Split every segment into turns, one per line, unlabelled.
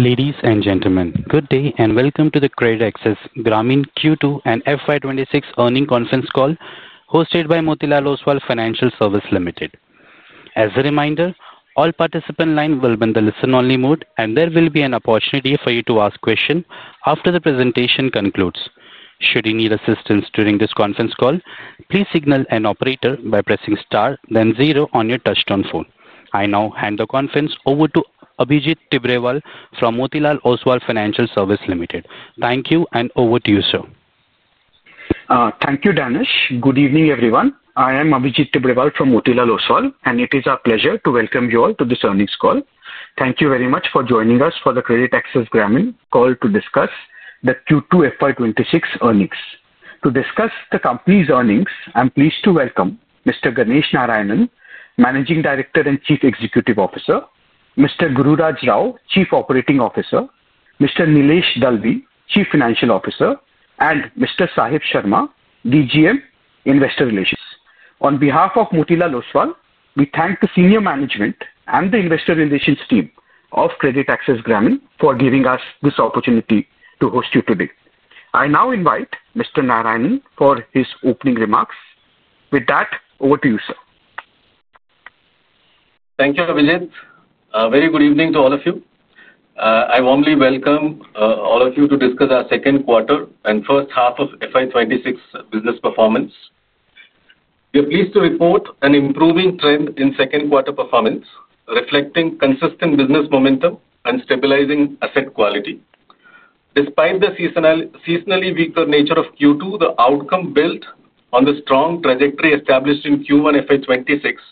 Ladies and gentlemen, good day and welcome to the CreditAccess Grameen Limited Q2 and FY 2026 earnings conference call hosted by Motilal Oswal Financial Services Limited. As a reminder, all participant lines will be in the listen-only mode, and there will be an opportunity for you to ask questions after the presentation concludes. Should you need assistance during this conference call, please signal an operator by pressing star then zero on your touch-tone phone. I now hand the conference over to Abhijit Tibrewal from Motilal Oswal Financial Services Limited. Thank you and over to you, sir.
Thank you, Danish. Good evening, everyone. I am Abhijit Tibrewal from Motilal Oswal, and it is our pleasure to welcome you all to this earnings call. Thank you very much for joining us for the CreditAccess Grameen Limited call to discuss the Q2 FY 2026 earnings. To discuss the company's earnings, I'm pleased to welcome Mr. Ganesh Narayanan, Managing Director and Chief Executive Officer, Mr. Gururaj Rao, Chief Operating Officer, Mr. Nilesh Dhalani, Chief Financial Officer, and Mr. Sahib Sharma, Deputy General Manager, Investor Relations. On behalf of Motilal Oswal, we thank the senior management and the Investor Relations team of CreditAccess Grameen Limited for giving us this opportunity to host you today. I now invite Mr. Narayanan for his opening remarks. With that, over to you, sir.
Thank you, Abhijit. Very good evening to all of you. I warmly welcome all of you to discuss our second quarter and first half of FY 2026 business performance. We are pleased to report an improving trend in second quarter performance, reflecting consistent business momentum and stabilizing asset quality. Despite the seasonally weaker nature of Q2, the outcome built on the strong trajectory established in Q1 FY 2026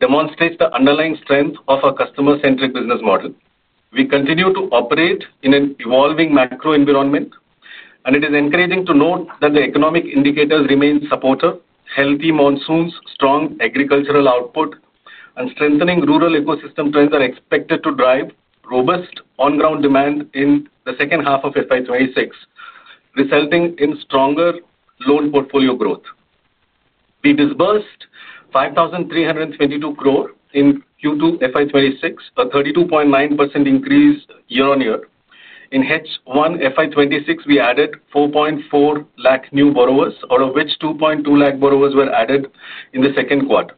demonstrates the underlying strength of our customer-centric business model. We continue to operate in an evolving macro environment, and it is encouraging to note that the economic indicators remain supportive. Healthy monsoons, strong agricultural output, and strengthening rural ecosystem trends are expected to drive robust on-ground demand in the second half of FY 2026, resulting in stronger loan portfolio growth. We disbursed 5,322 crore in Q2 FY 2026, a 32.9% increase year on year. In H1 FY 2026, we added 440,000 new borrowers, out of which 220,000 borrowers were added in the second quarter.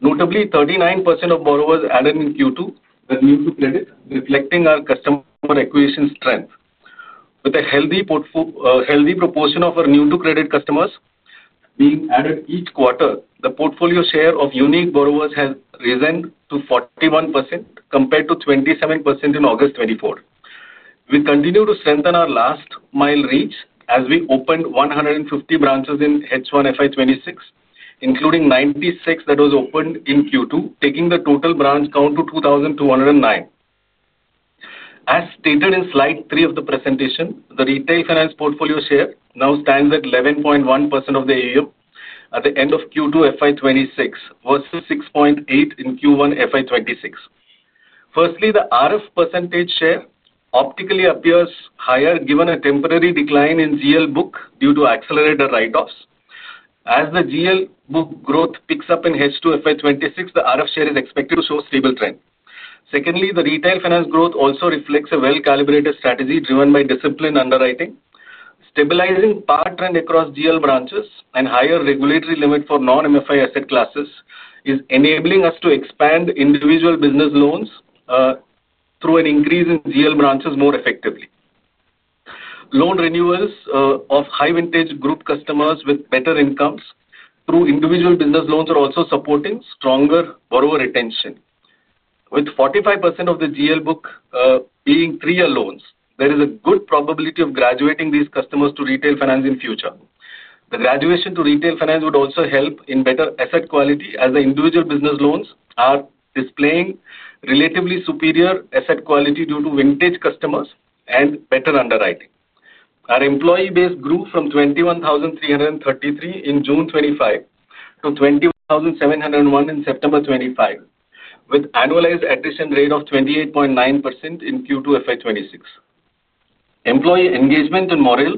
Notably, 39% of borrowers added in Q2 were new to credit, reflecting our customer acquisition strength. With a healthy proportion of our new-to-credit customers being added each quarter, the portfolio share of unique borrowers has risen to 41% compared to 27% in August 2024. We continue to strengthen our last-mile reach as we opened 150 branches in H1 FY 2026, including 96 that were opened in Q2, taking the total branch count to 2,209. As stated in slide 3 of the presentation, the retail finance portfolio share now stands at 11.1% of the AUM at the end of Q2 FY 2026 versus 6.8% in Q1 FY 2026. Firstly, the RF percentage share optically appears higher, given a temporary decline in GL book due to accelerated write-offs. As the GL book growth picks up in H2 FY 2026, the RF share is expected to show a stable trend. Secondly, the retail finance growth also reflects a well-calibrated strategy driven by disciplined underwriting, stabilizing PAR trend across GL branches, and higher regulatory limit for non-MFI asset classes is enabling us to expand individual business loans through an increase in GL branches more effectively. Loan renewals of high-vintage group customers with better incomes through individual business loans are also supporting stronger borrower retention. With 45% of the GL book being three-year loans, there is a good probability of graduating these customers to retail finance in the future. The graduation to retail finance would also help in better asset quality, as the individual business loans are displaying relatively superior asset quality due to vintage customers and better underwriting. Our employee base grew from 21,333 in June 2025 to 21,701 in September 2025, with an annualized attrition rate of 28.9% in Q2 FY 2026. Employee engagement and morale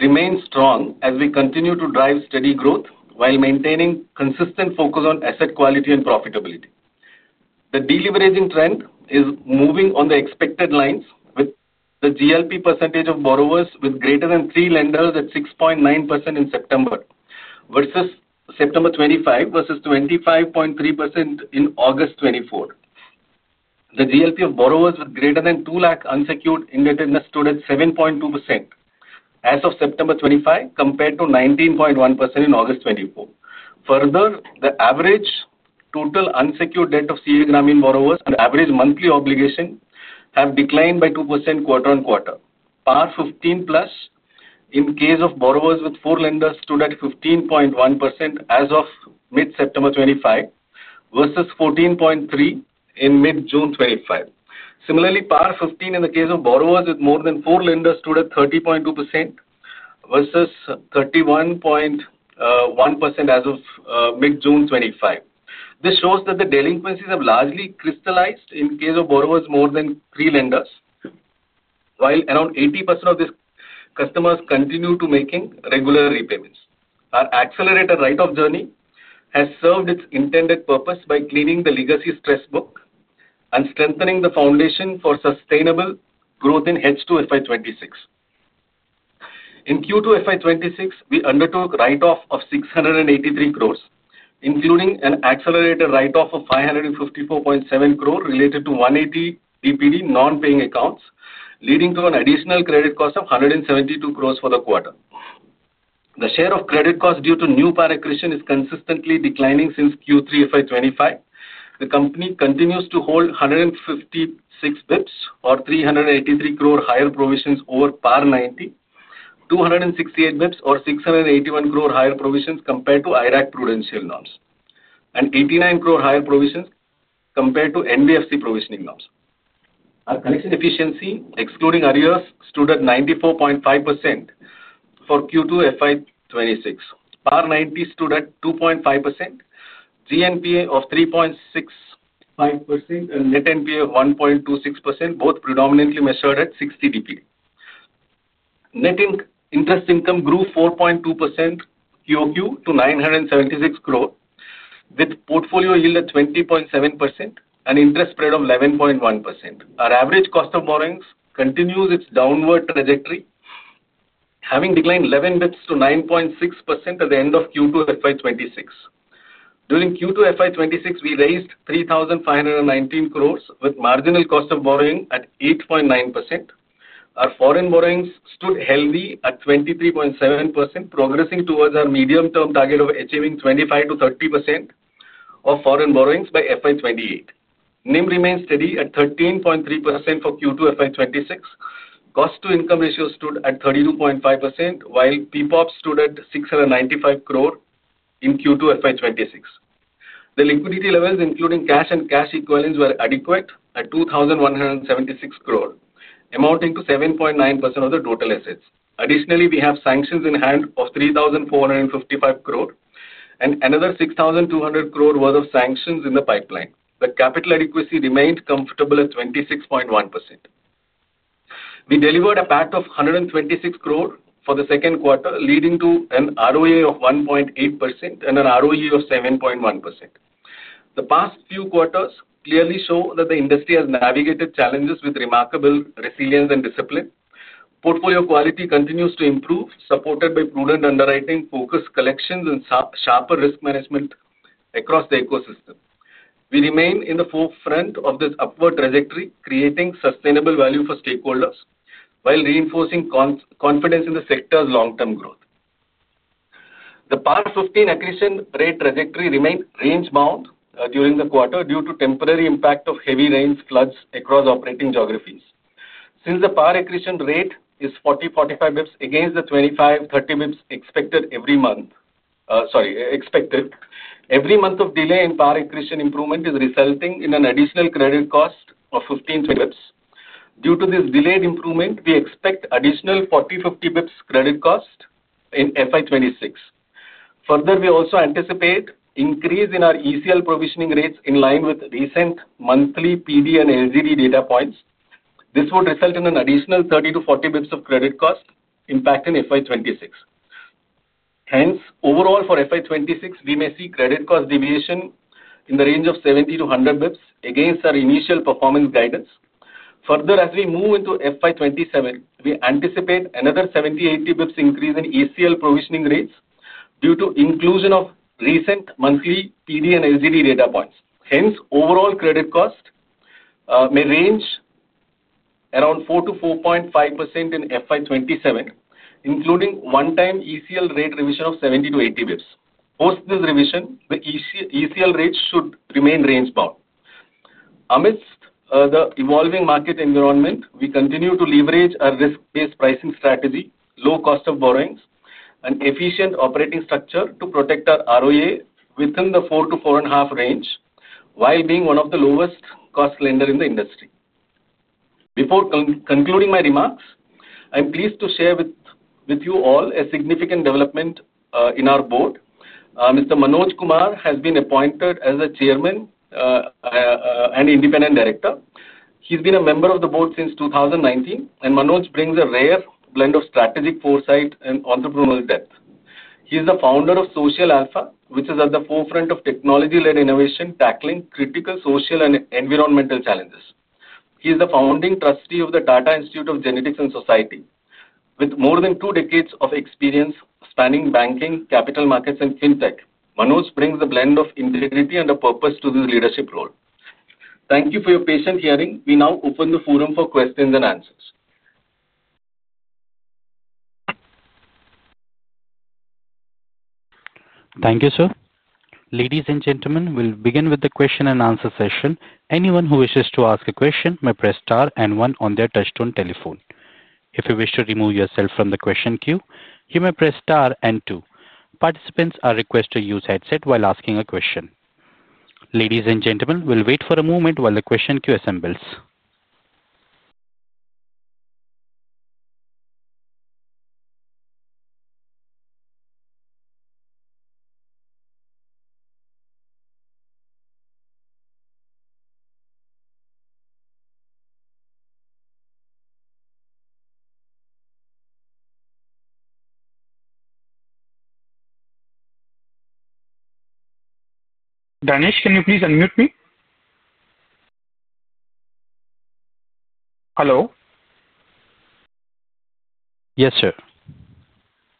remain strong as we continue to drive steady growth while maintaining a consistent focus on asset quality and profitability. The deleveraging trend is moving on the expected lines, with the GLP percentage of borrowers with greater than three lenders at 6.9% in September 2025 versus 25.3% in August 2024. The GLP of borrowers with greater than 200,000 unsecured indebtedness stood at 7.2% as of September 2025 compared to 19.1% in August 2024. Further, the average total unsecured debt of CreditAccess Grameen borrowers and average monthly obligations have declined by 2% quarter on quarter. PAR 15+ in case of borrowers with four lenders stood at 15.1% as of mid-September 2025 versus 14.3% in mid-June 2025. Similarly, PAR 15 in the case of borrowers with more than four lenders stood at 30.2% versus 31.1% as of mid-June 2025. This shows that the delinquencies have largely crystallized in the case of borrowers with more than three lenders, while around 80% of these customers continue to make regular repayments. Our accelerated write-off journey has served its intended purpose by cleaning the legacy stress book and strengthening the foundation for sustainable growth in H2 FY 2026. In Q2 FY 2026, we undertook write-offs of 683 crore, including an accelerated write-off of 554.7 crore related to 180 DPD non-paying accounts, leading to an additional credit cost of 172 crore for the quarter. The share of credit costs due to new PAR attrition is consistently declining since Q3 FY 2025. The company continues to hold 156 basis points or 383 crore higher provisions over PAR 90, 268 basis points or 681 crore higher provisions compared to IRAC Prudential loans, and 89 crore higher provisions compared to NBFC Provisioning loans. Our collection efficiency, excluding arrears, stood at 94.5% for Q2 FY 2026. PAR 90 stood at 2.5%. GNPA of 3.65% and Net NPA of 1.26%, both predominantly measured at 60 DPD. Net interest income grew 4.2% QoQ to 976 crore, with portfolio yield at 20.7% and interest spread of 11.1%. Our average cost of borrowings continues its downward trajectory, having declined 11 basis points to 9.6% at the end of Q2 FY 2026. During Q2 FY 2026, we raised 3,519 crore with marginal cost of borrowing at 8.9%. Our foreign borrowings stood healthy at 23.7%, progressing towards our medium-term target of achieving 25%-30% of foreign borrowings by FY 2028. NIM remained steady at 13.3% for Q2 FY 2026. Cost-to-income ratio stood at 32.5%, while PPOP stood at 695 crore in Q2 FY 2026. The liquidity levels, including cash and cash equivalents, were adequate at 2,176 crore, amounting to 7.9% of the total assets. Additionally, we have sanctions in hand of 3,455 crore and another 6,200 crore worth of sanctions in the pipeline. The capital adequacy remained comfortable at 26.1%. We delivered a PAT of 126 crore for the second quarter, leading to an ROA of 1.8% and an ROE of 7.1%. The past few quarters clearly show that the industry has navigated challenges with remarkable resilience and discipline. Portfolio quality continues to improve, supported by prudent underwriting, focused collections, and sharper risk management across the ecosystem. We remain in the forefront of this upward trajectory, creating sustainable value for stakeholders while reinforcing confidence in the sector's long-term growth. The PAR 15 attrition rate trajectory remained range-bound during the quarter due to the temporary impact of heavy rain floods across operating geographies. Since the PAR attrition rate is 40-45 basis points against the 25-30 basis points expected, every month of delay in PAR attrition improvement is resulting in an additional credit cost of 15 basis points. Due to this delayed improvement, we expect additional 40-50 basis points credit cost in FY 2026. Further, we also anticipate an increase in our ECL provisioning rates in line with recent monthly PD and LGD data points. This would result in an additional 30-40 basis points of credit cost impact in FY 2026. Hence, overall for FY 2026, we may see credit cost deviation in the range of 70-100 basis points against our initial performance guidance. Further, as we move into FY 2027, we anticipate another 70-80 basis points increase in ECL provisioning rates due to the inclusion of recent monthly PD and LGD data points. Hence, overall credit cost may range around 4%-4.5% in FY 2027, including one-time ECL rate revision of 70-80 basis points. Post this revision, the ECL rates should remain range-bound. Amidst the evolving market environment, we continue to leverage our risk-based pricing strategy, low cost of borrowings, and efficient operating structure to protect our ROA within the 4-4.5% range, while being one of the lowest-cost lenders in the industry. Before concluding my remarks, I'm pleased to share with you all a significant development in our board. Mr. Manoj Kumar has been appointed as the Chairman and Independent Director. He's been a member of the board since 2019, and Manoj brings a rare blend of strategic foresight and entrepreneurial depth. He's the founder of Social Alpha, which is at the forefront of technology-led innovation, tackling critical social and environmental challenges. He's the founding trustee of the Data Institute of Genetics and Society. With more than two decades of experience spanning banking, capital markets, and fintech, Manoj brings a blend of integrity and a purpose to his leadership role. Thank you for your patient hearing. We now open the forum for questions and answers.
Thank you, sir. Ladies and gentlemen, we'll begin with the question-and-answer session. Anyone who wishes to ask a question may press star and one on their touch-tone telephone. If you wish to remove yourself from the question queue, you may press star and two. Participants are requested to use headsets while asking a question. Ladies and gentlemen, we'll wait for a moment while the question queue assembles.
Danish, can you please unmute me? Hello?
Yes, sir.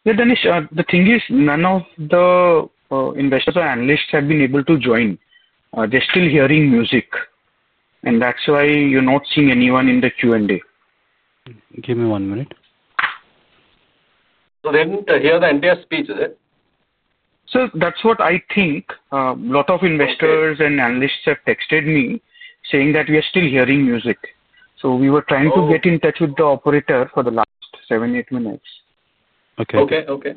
Yeah, Danish, the thing is, none of the investors or analysts have been able to join. They're still hearing music, and that's why you're not seeing anyone in the Q&A.
Give me one minute.
They didn't hear the entire speech, is it?
Sir, that's what I think. A lot of investors and analysts have texted me, saying that we are still hearing music. We were trying to get in touch with the operator for the last seven, eight minutes.
Okay.
Okay.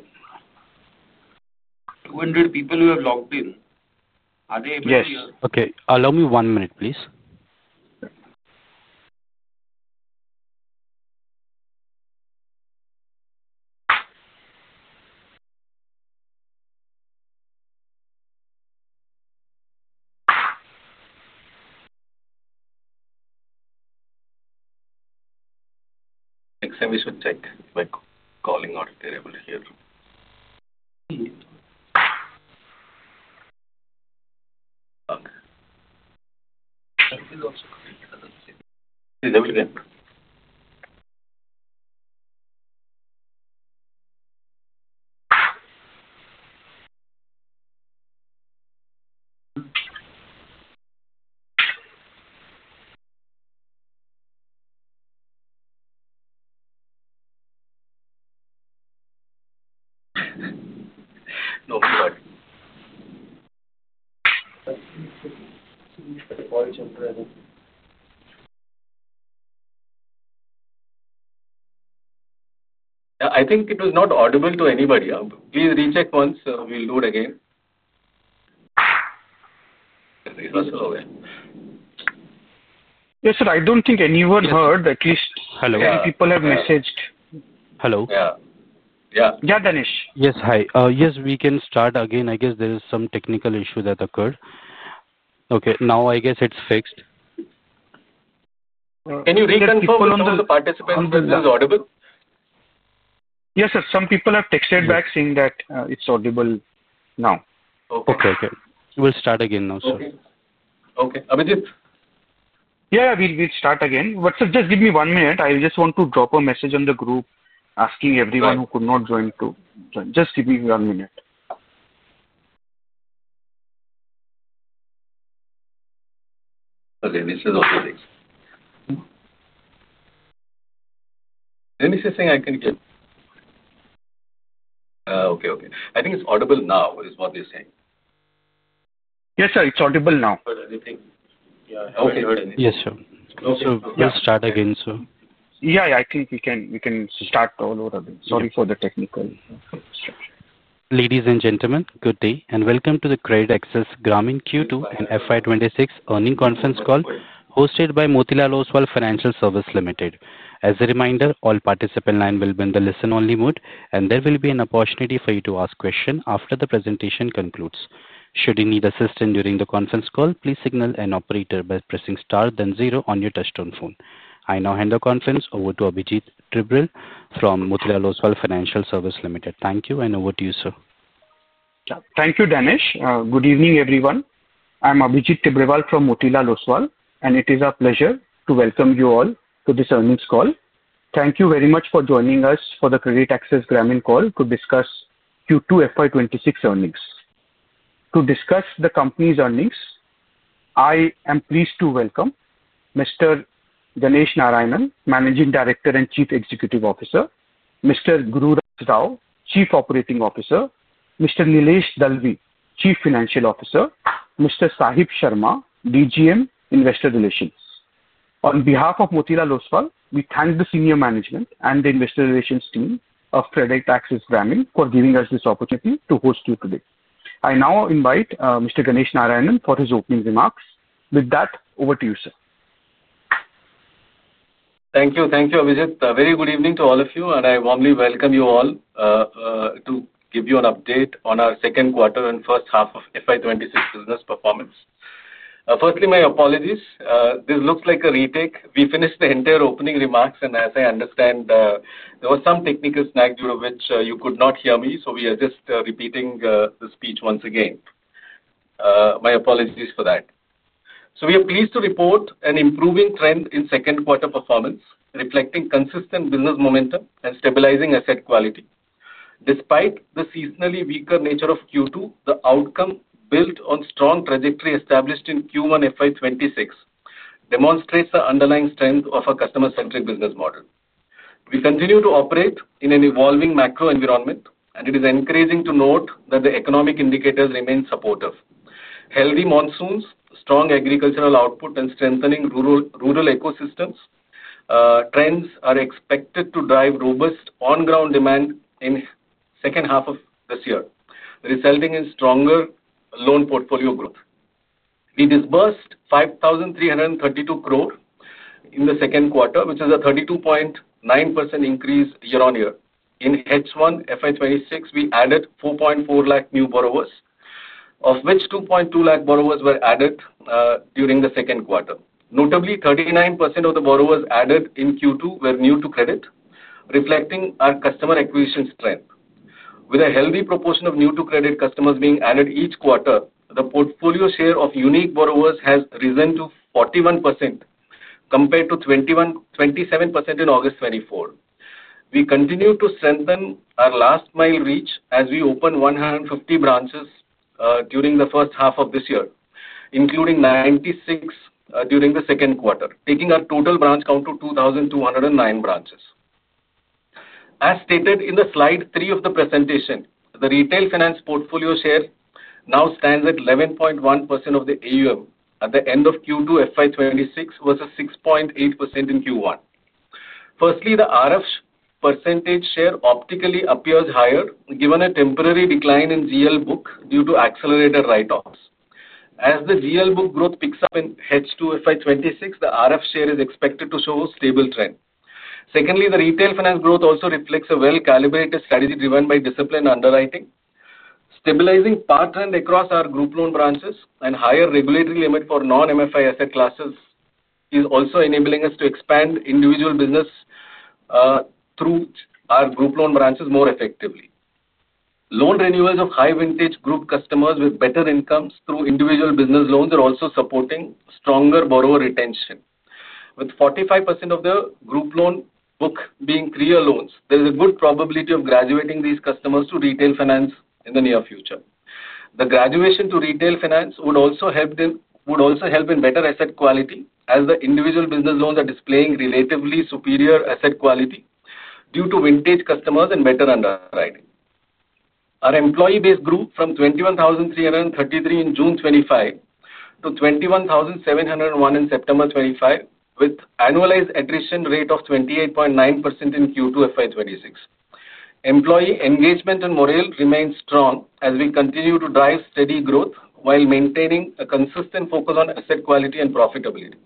200 people who have logged in, are they able to hear?
Yes, okay. Allow me one minute, please.
Next time we should check if my calling audit variable here.
Okay.
No, we're back. I think it was not audible to anybody. Please recheck once. We'll do it again.
Yes, sir, I don't think anyone heard, at least.
Hello?
Many people have messaged.
Hello?
Yeah. Yeah. Yeah, Danish.
Yes, hi. We can start again. I guess there is some technical issue that occurred. Okay, now I guess it's fixed.
Can you reconfirm to the participants that this is audible?
Yes, sir. Some people have texted back saying that it's audible now.
Okay, okay.
Okay. We'll start again now, sir.
Okay. Okay. Abhijit?
Yeah, we'll start again. Sir, just give me one minute. I just want to drop a message on the group asking everyone who could not join to join. Just give me one minute.
Okay, this is all good.
Anything I can give?
Okay, okay. I think it's audible now, is what you're saying.
Yes, sir, it's audible now.
Heard anything?
Yeah, I haven't heard anything. Yes, sir.
No, sir.
We'll start again, sir.
Yeah, I think we can start all over again. Sorry for the technical.
Ladies and gentlemen, good day and welcome to the CreditAccess Grameen Limited Q2 and FY 2026 earnings conference call hosted by Motilal Oswal Financial Services Limited. As a reminder, all participant lines will be in the listen-only mode, and there will be an opportunity for you to ask questions after the presentation concludes. Should you need assistance during the conference call, please signal an operator by pressing star then zero on your touch-tone phone. I now hand the conference over to Abhijit Tibrewal from Motilal Oswal Financial Services Limited. Thank you and over to you, sir.
Thank you, Danish. Good evening, everyone. I'm Abhijit Tibrewal from Motilal Oswal, and it is our pleasure to welcome you all to this earnings call. Thank you very much for joining us for the CreditAccess Grameen Limited call to discuss Q2 FY 2026 earnings. To discuss the company's earnings, I am pleased to welcome Mr. Ganesh Narayanan, Managing Director and Chief Executive Officer, Mr. Gururaj Rao, Chief Operating Officer, Mr. Nilesh Dhalani, Chief Financial Officer, and Mr. Sahib Sharma, DGM Investor Relations. On behalf of Motilal Oswal, we thank the senior management and the Investor Relations team of CreditAccess Grameen Limited for giving us this opportunity to host you today. I now invite Mr. Ganesh Narayanan for his opening remarks. With that, over to you, sir.
Thank you. Thank you, Abhijit. Very good evening to all of you, and I warmly welcome you all to give you an update on our second quarter and first half of FY 2026 business performance. Firstly, my apologies. This looks like a retake. We finished the entire opening remarks, and as I understand, there was some technical snag due to which you could not hear me, so we are just repeating the speech once again. My apologies for that. We are pleased to report an improving trend in second quarter performance, reflecting consistent business momentum and stabilizing asset quality. Despite the seasonally weaker nature of Q2, the outcome built on strong trajectory established in Q1 FY 2026 demonstrates the underlying strength of our customer-centric business model. We continue to operate in an evolving macro environment, and it is encouraging to note that the economic indicators remain supportive. Healthy monsoons, strong agricultural output, and strengthening rural ecosystems trends are expected to drive robust on-ground demand in the second half of this year, resulting in stronger loan portfolio growth. We disbursed 5,332 crore in the second quarter, which is a 32.9% increase year on year. In H1 FY 2026, we added 4.4 lakh new borrowers, of which 2.2 lakh borrowers were added during the second quarter. Notably, 39% of the borrowers added in Q2 were new to credit, reflecting our customer acquisition strength. With a healthy proportion of new-to-credit customers being added each quarter, the portfolio share of unique borrowers has risen to 41% compared to 27% in August 2024. We continue to strengthen our last-mile reach as we opened 150 branches during the first half of this year, including 96 during the second quarter, taking our total branch count to 2,209 branches. As stated in slide 3 of the presentation, the retail finance portfolio share now stands at 11.1% of the AUM at the end of Q2 FY 2026 versus 6.8% in Q1. The RF percentage share optically appears higher, given a temporary decline in GL book due to accelerated write-offs. As the GL book growth picks up in H2 FY 2026, the RF share is expected to show a stable trend. The retail finance growth also reflects a well-calibrated strategy driven by disciplined underwriting, stabilizing PAR trend across our group loan branches, and a higher regulatory limit for non-MFI asset classes is also enabling us to expand individual business through our group loan branches more effectively. Loan renewals of high-vintage group customers with better incomes through individual business loans are also supporting stronger borrower retention. With 45% of the group loan book being three-year loans, there is a good probability of graduating these customers to retail finance in the near future. The graduation to retail finance would also help in better asset quality, as the individual business loans are displaying relatively superior asset quality due to vintage customers and better underwriting. Our employee base grew from 21,333 in June 2025 to 21,701 in September 2025, with annualized attrition rate of 28.9% in Q2 FY 2026. Employee engagement and morale remain strong as we continue to drive steady growth while maintaining a consistent focus on asset quality and profitability.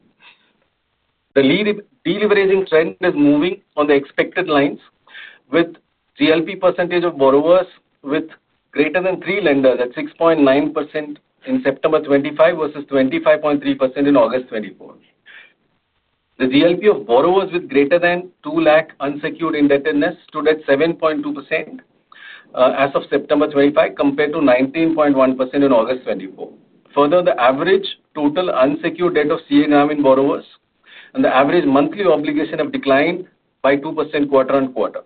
The deleveraging trend is moving on the expected lines, with the GLP percentage of borrowers with greater than three lenders at 6.9% in September 2025 versus 25.3% in August 2024. The GLP of borrowers with greater than 200,000 unsecured indebtedness stood at 7.2% as of September 2025 compared to 19.1% in August 2024. Further, the average total unsecured debt of CreditAccess Grameen borrowers and the average monthly obligation have declined by 2% quarter on quarter.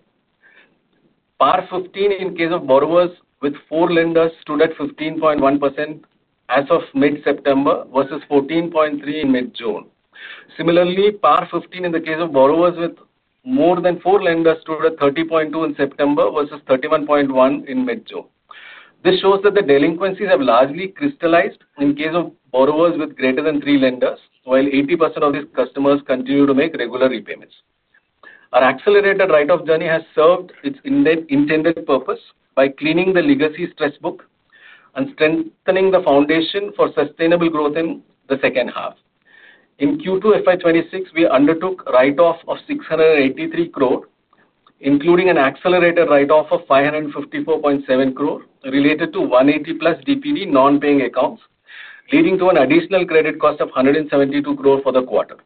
PAR 15 in case of borrowers with four lenders stood at 15.1% as of mid-September versus 14.3% in mid-June. Similarly, PAR 15 in the case of borrowers with more than four lenders stood at 30.2% in September versus 31.1% in mid-June. This shows that the delinquencies have largely crystallized in the case of borrowers with greater than three lenders, while 80% of these customers continue to make regular repayments. Our accelerated write-off journey has served its intended purpose by cleaning the legacy stress book and strengthening the foundation for sustainable growth in the second half. In Q2 FY 2026, we undertook a write-off of 683 crore, including an accelerated write-off of 554.7 crore related to 180+ DPD non-paying accounts, leading to an additional credit cost of 172 crore for the quarter.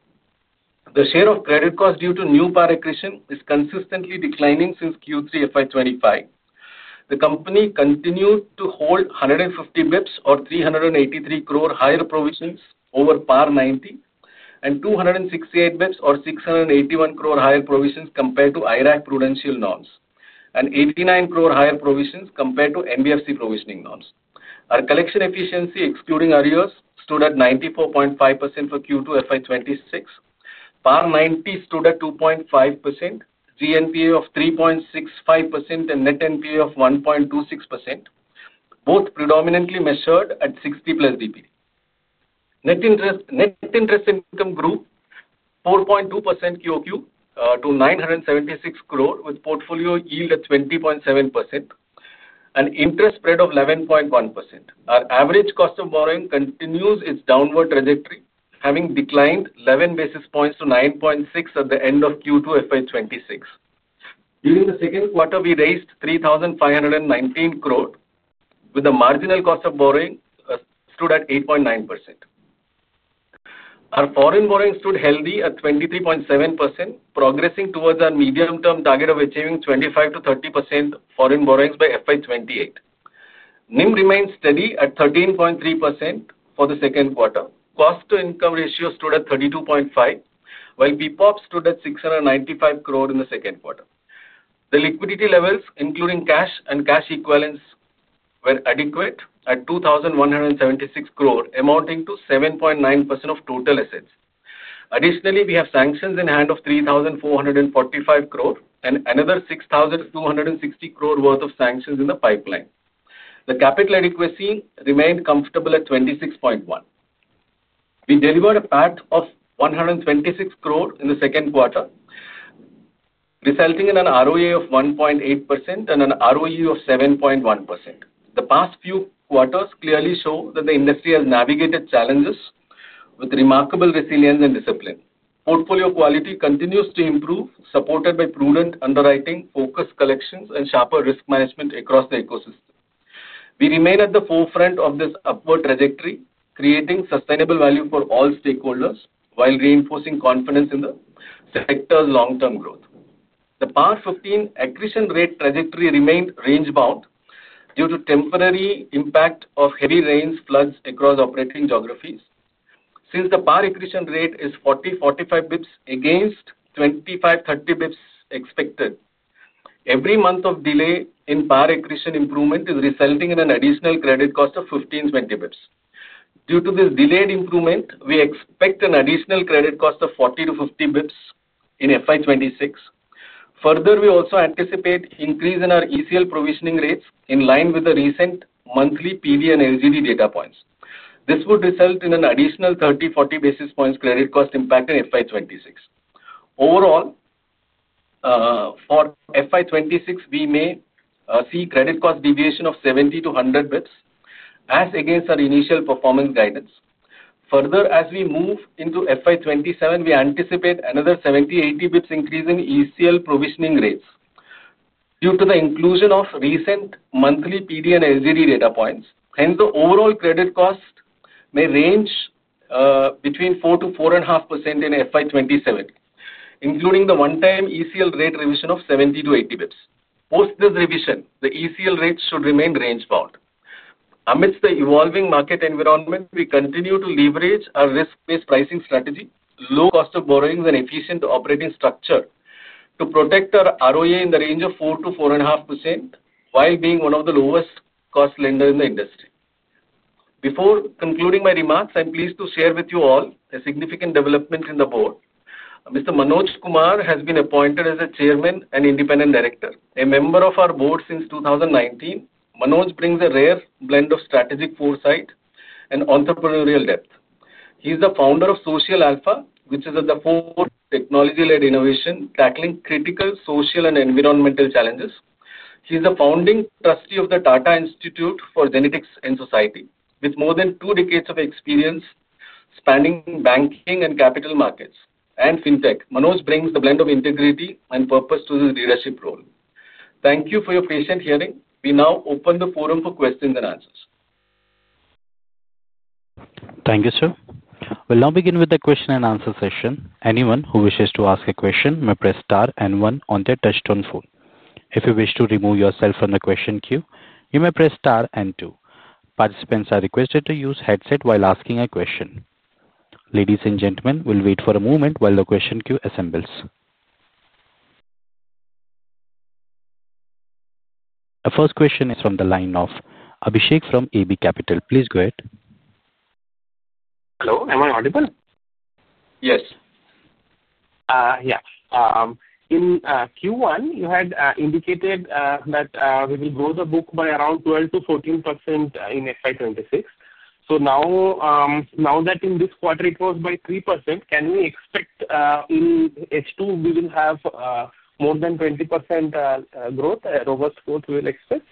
The share of credit costs due to new PAR attrition is consistently declining since Q3 FY 2025. The company continues to hold 150 basis points or 383 crore higher provisions over PAR 90, and 268 basis points or 681 crore higher provisions compared to IRAC Prudential loans, and 89 crore higher provisions compared to NBFC Provisioning loans. Our collection efficiency, excluding arrears, stood at 94.5% for Q2 FY 2026. Par 90 stood at 2.5%, GNPA of 3.65%, and Net NPA of 1.26%, both predominantly measured at 60+ DPD. Net interest income grew 4.2% QoQ to 976 crore, with portfolio yield at 20.7% and interest spread of 11.1%. Our average cost of borrowing continues its downward trajectory, having declined 11 basis points to 9.6% at the end of Q2 FY 2026. During the second quarter, we raised 3,519 crore, with the marginal cost of borrowing stood at 8.9%. Our foreign borrowings stood healthy at 23.7%, progressing towards our medium-term target of achieving 25%-30% foreign borrowings by FY 2028. NIM remained steady at 13.3% for the second quarter. Cost-to-income ratio stood at 32.5%, while PPOP stood at 695 crore in the second quarter. The liquidity levels, including cash and cash equivalents, were adequate at 2,176 crore, amounting to 7.9% of total assets. Additionally, we have sanctions in hand of 3,445 crore and another 6,260 crore worth of sanctions in the pipeline. The capital adequacy remained comfortable at 26.1%. We delivered a PAT of 126 crore in the second quarter, resulting in an ROA of 1.8% and an ROE of 7.1%. The past few quarters clearly show that the industry has navigated challenges with remarkable resilience and discipline. Portfolio quality continues to improve, supported by prudent underwriting, focused collections, and sharper risk management across the ecosystem. We remain at the forefront of this upward trajectory, creating sustainable value for all stakeholders while reinforcing confidence in the sector's long-term growth. The par 15 attrition rate trajectory remained range-bound due to the temporary impact of heavy rain floods across operating geographies. Since the par attrition rate is 40, 45 basis points against 25, 30 basis points expected, every month of delay in par attrition improvement is resulting in an additional credit cost of 15, 20 basis points. Due to this delayed improvement, we expect an additional credit cost of 40-50 basis points in FY 2026. Further, we also anticipate an increase in our ECL provisioning rates in line with the recent monthly PD and LGD data points. This would result in an additional 30, 40 basis points credit cost impact in FY 2026. Overall, for FY 2026, we may see credit cost deviation of 70-100 basis points, as against our initial performance guidance. Further, as we move into FY 2027, we anticipate another 70, 80 basis points increase in ECL provisioning rates due to the inclusion of recent monthly PD and LGD data points. Hence, the overall credit cost may range between 4%-4.5% in FY 2027, including the one-time ECL rate revision of 70-80 basis points. Post this revision, the ECL rates should remain range-bound. Amidst the evolving market environment, we continue to leverage our risk-based pricing strategy, low cost of borrowings, and efficient operating structure to protect our ROA in the range of 4%-4.5% while being one of the lowest-cost lenders in the industry. Before concluding my remarks, I'm pleased to share with you all a significant development in the Board. Mr. Manoj Kumar has been appointed as the Chairman and Independent Director, a member of our Board since 2019. Manoj brings a rare blend of strategic foresight and entrepreneurial depth. He's the founder of Social Alpha, which is the fourth technology-led innovation tackling critical social and environmental challenges. He's the founding trustee of the Data Institute for Genetics and Society, with more than two decades of experience spanning banking and capital markets and fintech. Manoj brings the blend of integrity and purpose to his leadership role. Thank you for your patient hearing. We now open the forum for questions and answers.
Thank you, sir. We'll now begin with the question-and-answer session. Anyone who wishes to ask a question may press star and one on their touch-tone phone. If you wish to remove yourself from the question queue, you may press star and two. Participants are requested to use headsets while asking a question. Ladies and gentlemen, we'll wait for a moment while the question queue assembles. Our first question is from the line of Abhijit from AB Capital. Please go ahead.
Hello. Am I audible?
Yes.
Yeah. In Q1, you had indicated that we will grow the book by around 12%-14% in FY 2026. Now that in this quarter it was by 3%, can we expect in H2 we will have more than 20% growth, robust growth we will expect?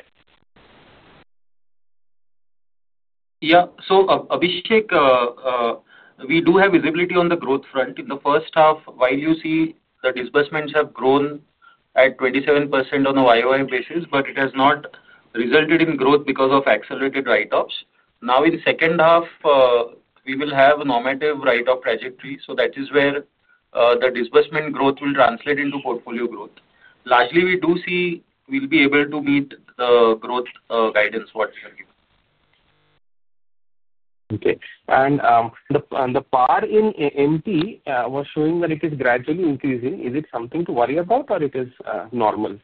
Yeah. Abhijit, we do have visibility on the growth front. In the first half, while you see the disbursements have grown at 27% on a YOI basis, it has not resulted in growth because of accelerated write-offs. In the second half, we will have a normative write-off trajectory. That is where the disbursement growth will translate into portfolio growth. Largely, we do see we'll be able to meet the growth guidance we are given.
Okay. The PAR in MT was showing that it is gradually increasing. Is it something to worry about, or is it normal?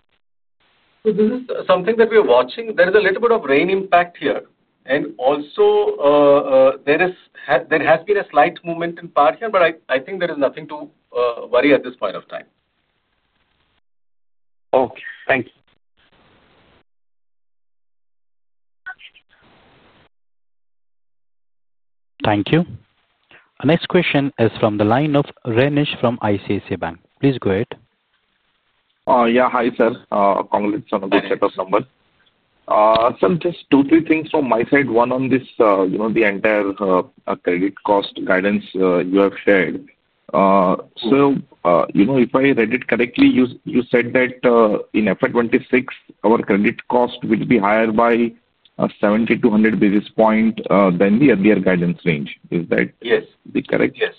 This is something that we are watching. There is a little bit of rain impact here, and also, there has been a slight movement in PAR here, but I think there is nothing to worry at this point of time.
Okay, thank you.
Thank you. Our next question is from the line of Ramesh from ICICI Bank. Please go ahead.
Yeah. Hi, sir. Congrats on the setup number. Sir, just two, three things from my side. One on this, you know, the entire credit cost guidance you have shared. Sir, you know, if I read it correctly, you said that in FY 2026, our credit cost will be higher by 70-100 basis points than the earlier guidance range. Is that correct?
Yes.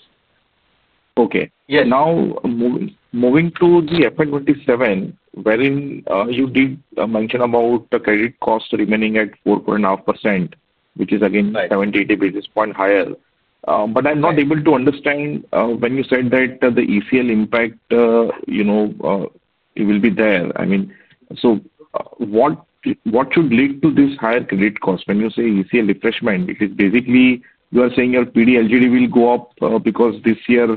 Okay. Now, moving to the FY 2027, wherein you did mention about the credit cost remaining at 4.5%, which is again 70, 80 basis points higher. I'm not able to understand when you said that the ECL impact, you know, it will be there. I mean, what should lead to this higher credit cost? When you say ECL refreshment, it is basically you are saying your PD, LGD will go up because this year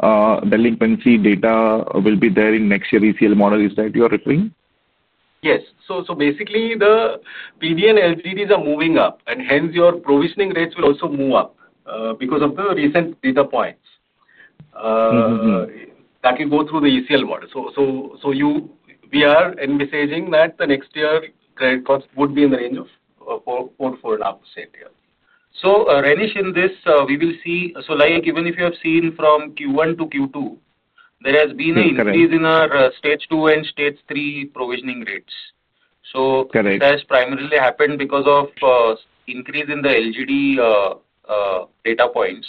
delinquency data will be there in next year's ECL model. Is that what you are referring to?
Yes. Basically, the PD and LGDs are moving up, and hence your provisioning rates will also move up because of the recent data points that will go through the ECL model. We are envisaging that the next year credit costs would be in the range of 4.5%. Ramesh, in this, we will see, like even if you have seen from Q1 to Q2, there has been an increase in our stage two and stage three provisioning rates. That has primarily happened because of an increase in the LGD data points.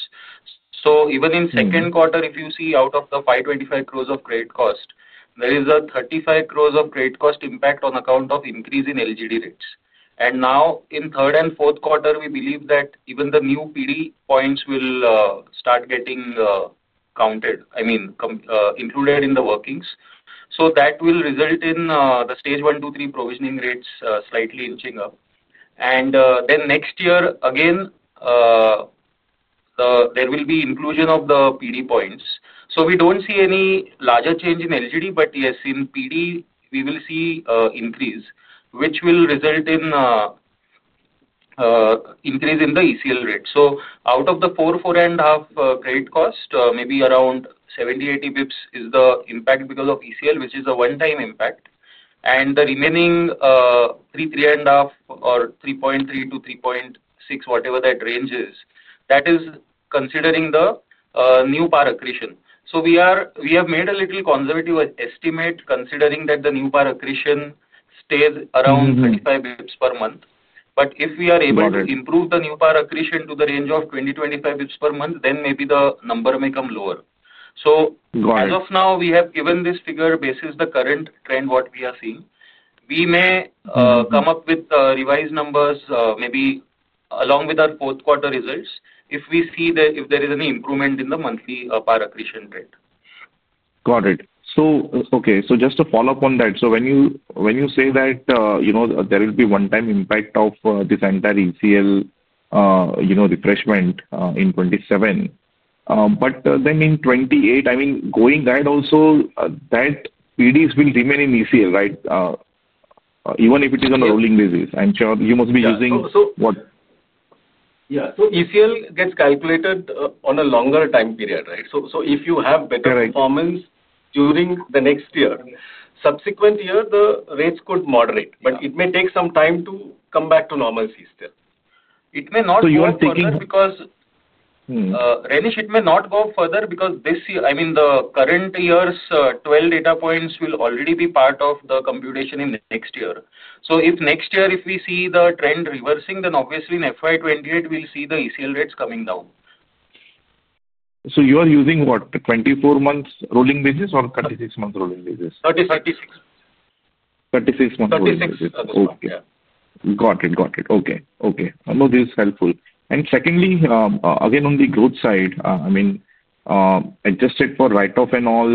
Even in the second quarter, if you see, out of the 525 crore of credit cost, there is a 35 crore credit cost impact on account of an increase in LGD rates. Now, in the third and fourth quarter, we believe that even the new PD points will start getting included in the workings. That will result in the stage one, two, three provisioning rates slightly inching up. Next year, again, there will be inclusion of the PD points. We don't see any larger change in LGD, but yes, in PD, we will see an increase, which will result in an increase in the ECL rate. Out of the 4, 4.5 credit cost, maybe around 70, 80 basis points is the impact because of ECL, which is a one-time impact. The remaining 3, 3.5 or 3.3 to 3.6, whatever that range is, that is considering the new par attrition. We have made a little conservative estimate considering that the new par attrition stays around 35 basis points per month. If we are able to improve the new par attrition to the range of 20, 25 basis points per month, then maybe the number may come lower. As of now, we have given this figure basis the current trend we are seeing. We may come up with revised numbers maybe along with our fourth quarter results if we see that there is any improvement in the monthly par attrition rate.
Got it. Okay, just to follow up on that, when you say that there will be a one-time impact of this entire ECL refreshment in 2027, in 2028, going ahead also, that PDs will remain in ECL, right? Even if it is on a rolling basis, I'm sure you must be using what?
Yeah. ECL gets calculated on a longer time period, right? If you have better performance during the next year, subsequent year, the rates could moderate, but it may take some time to come back to normalcy still. It may not go up because, Ramesh, it may not go up further because this year, I mean, the current year's 12 data points will already be part of the computation in the next year. If next year, if we see the trend reversing, then obviously in FY 2028, we'll see the ECL rates coming down.
Are you using 24 months rolling basis or 36 months rolling basis?
36.
36 months rolling basis.
36.
Got it. Okay. I know this is helpful. Secondly, again, on the growth side, I mean, adjusted for write-off and all,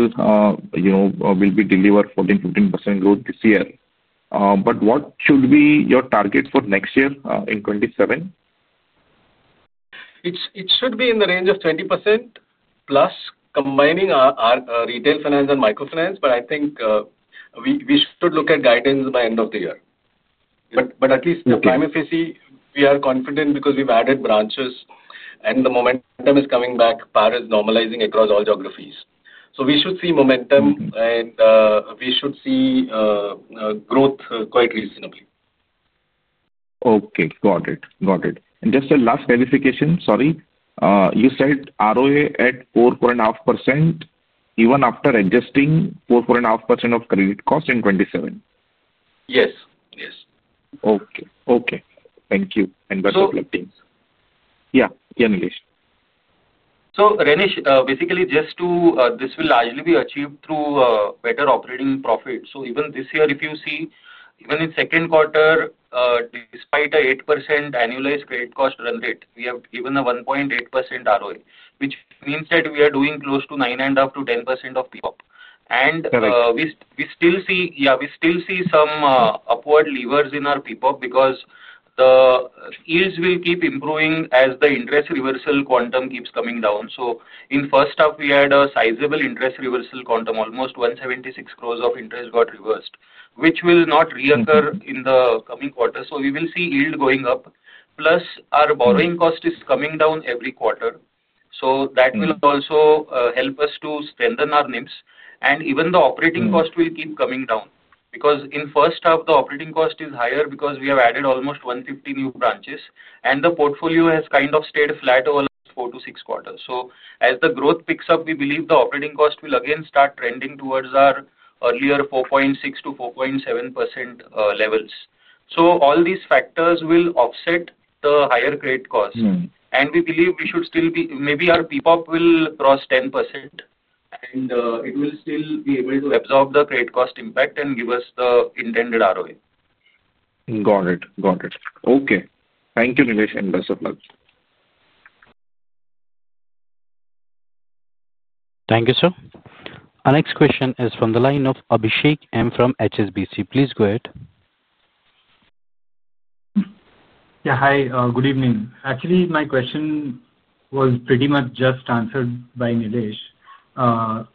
you know, will be delivered 14% or 15% growth this year. What should be your target for next year in 2027?
It should be in the range of 20%+ combining our retail finance and microfinance. I think we should look at guidance by the end of the year. At least the prime FAC, we are confident because we've added branches and the momentum is coming back. Par is normalizing across all geographies. We should see momentum and we should see growth quite reasonably.
Okay. Got it. Got it. Just a last clarification, sorry. You said ROA at 4.5% even after adjusting 4.5% of credit cost in 2027?
Yes. Yes.
Okay. Thank you. That's reflecting.
Yeah. Yeah, yeah, Nilesh.
Ramesh, basically, this will largely be achieved through better operating profit. Even this year, if you see, even in the second quarter, despite the 8% annualized credit cost run rate, we have given a 1.8% ROA, which means that we are doing close to 9.5%-10% of PPOP. We still see some upward levers in our PPOP because the yields will keep improving as the interest reversal quantum keeps coming down. In the first half, we had a sizable interest reversal quantum. Almost 1.76 billion of interest got reversed, which will not reoccur in the coming quarter. We will see yield going up, plus our borrowing cost is coming down every quarter. That will also help us to strengthen our NIMs. Even the operating cost will keep coming down because in the first half, the operating cost is higher because we have added almost 150 new branches, and the portfolio has kind of stayed flat over the four to six quarters. As the growth picks up, we believe the operating cost will again start trending towards our earlier 4.6%-4.7% levels. All these factors will offset the higher credit cost. We believe we should still be, maybe our PPOP will cross 10%, and it will still be able to absorb the credit cost impact and give us the intended ROA.
Got it. Got it. Okay. Thank you, Nilesh, and best of luck.
Thank you, sir. Our next question is from the line of Abhijit M. from HSBC. Please go ahead.
Yeah. Hi. Good evening. Actually, my question was pretty much just answered by Nilesh Dhalani,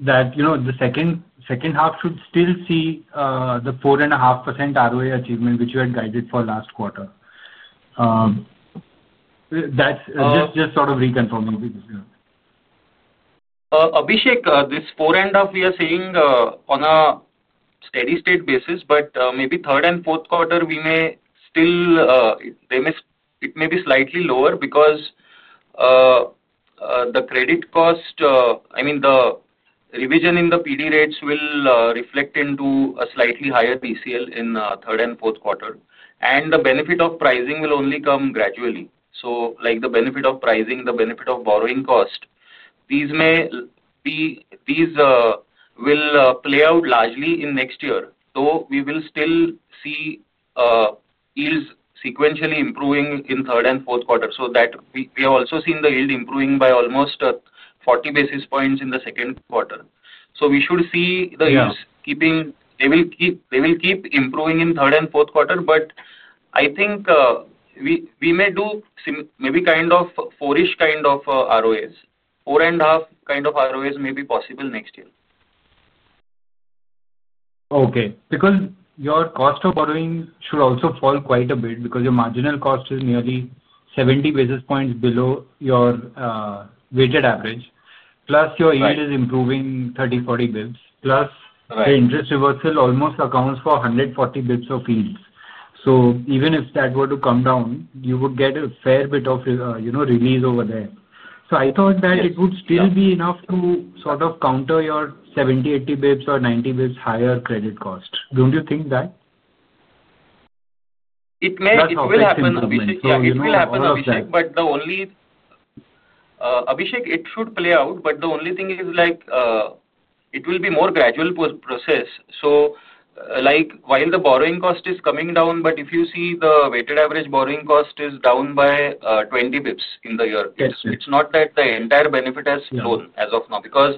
that you know the second half should still see the 4.5% ROA achievement, which you had guided for last quarter. That's just sort of reconfirming.
Abhijit, this 4.5% we are seeing on a steady state basis, but maybe third and fourth quarter, it may be slightly lower because the credit cost, I mean, the revision in the PD rates will reflect into a slightly higher ECL in third and fourth quarter. The benefit of pricing will only come gradually. The benefit of pricing, the benefit of borrowing cost, these will play out largely in next year. Though we will still see yields sequentially improving in third and fourth quarters. We have also seen the yield improving by almost 40 basis points in the second quarter. We should see the yields keeping, they will keep improving in third and fourth quarter, but I think we may do maybe kind of 4-ish kind of ROAs. 4.5% kind of ROAs may be possible next year.
Okay. Because your cost of borrowing should also fall quite a bit because your marginal cost is nearly 70 basis points below your weighted average, plus your yield is improving 30, 40 basis points, plus the interest reversal almost accounts for 140 basis points of yields. Even if that were to come down, you would get a fair bit of release over there. I thought that it would still be enough to sort of counter your 70, 80 basis points or 90 basis points higher credit cost. Don't you think that?
It may, it will happen.
Abhijit, yeah, you know.
It will happen, Abhijit, it should play out, but the only thing is like it will be a more gradual process. While the borrowing cost is coming down, if you see the weighted average borrowing cost is down by 20 basis points in the year, it's not that the entire benefit has flown as of now because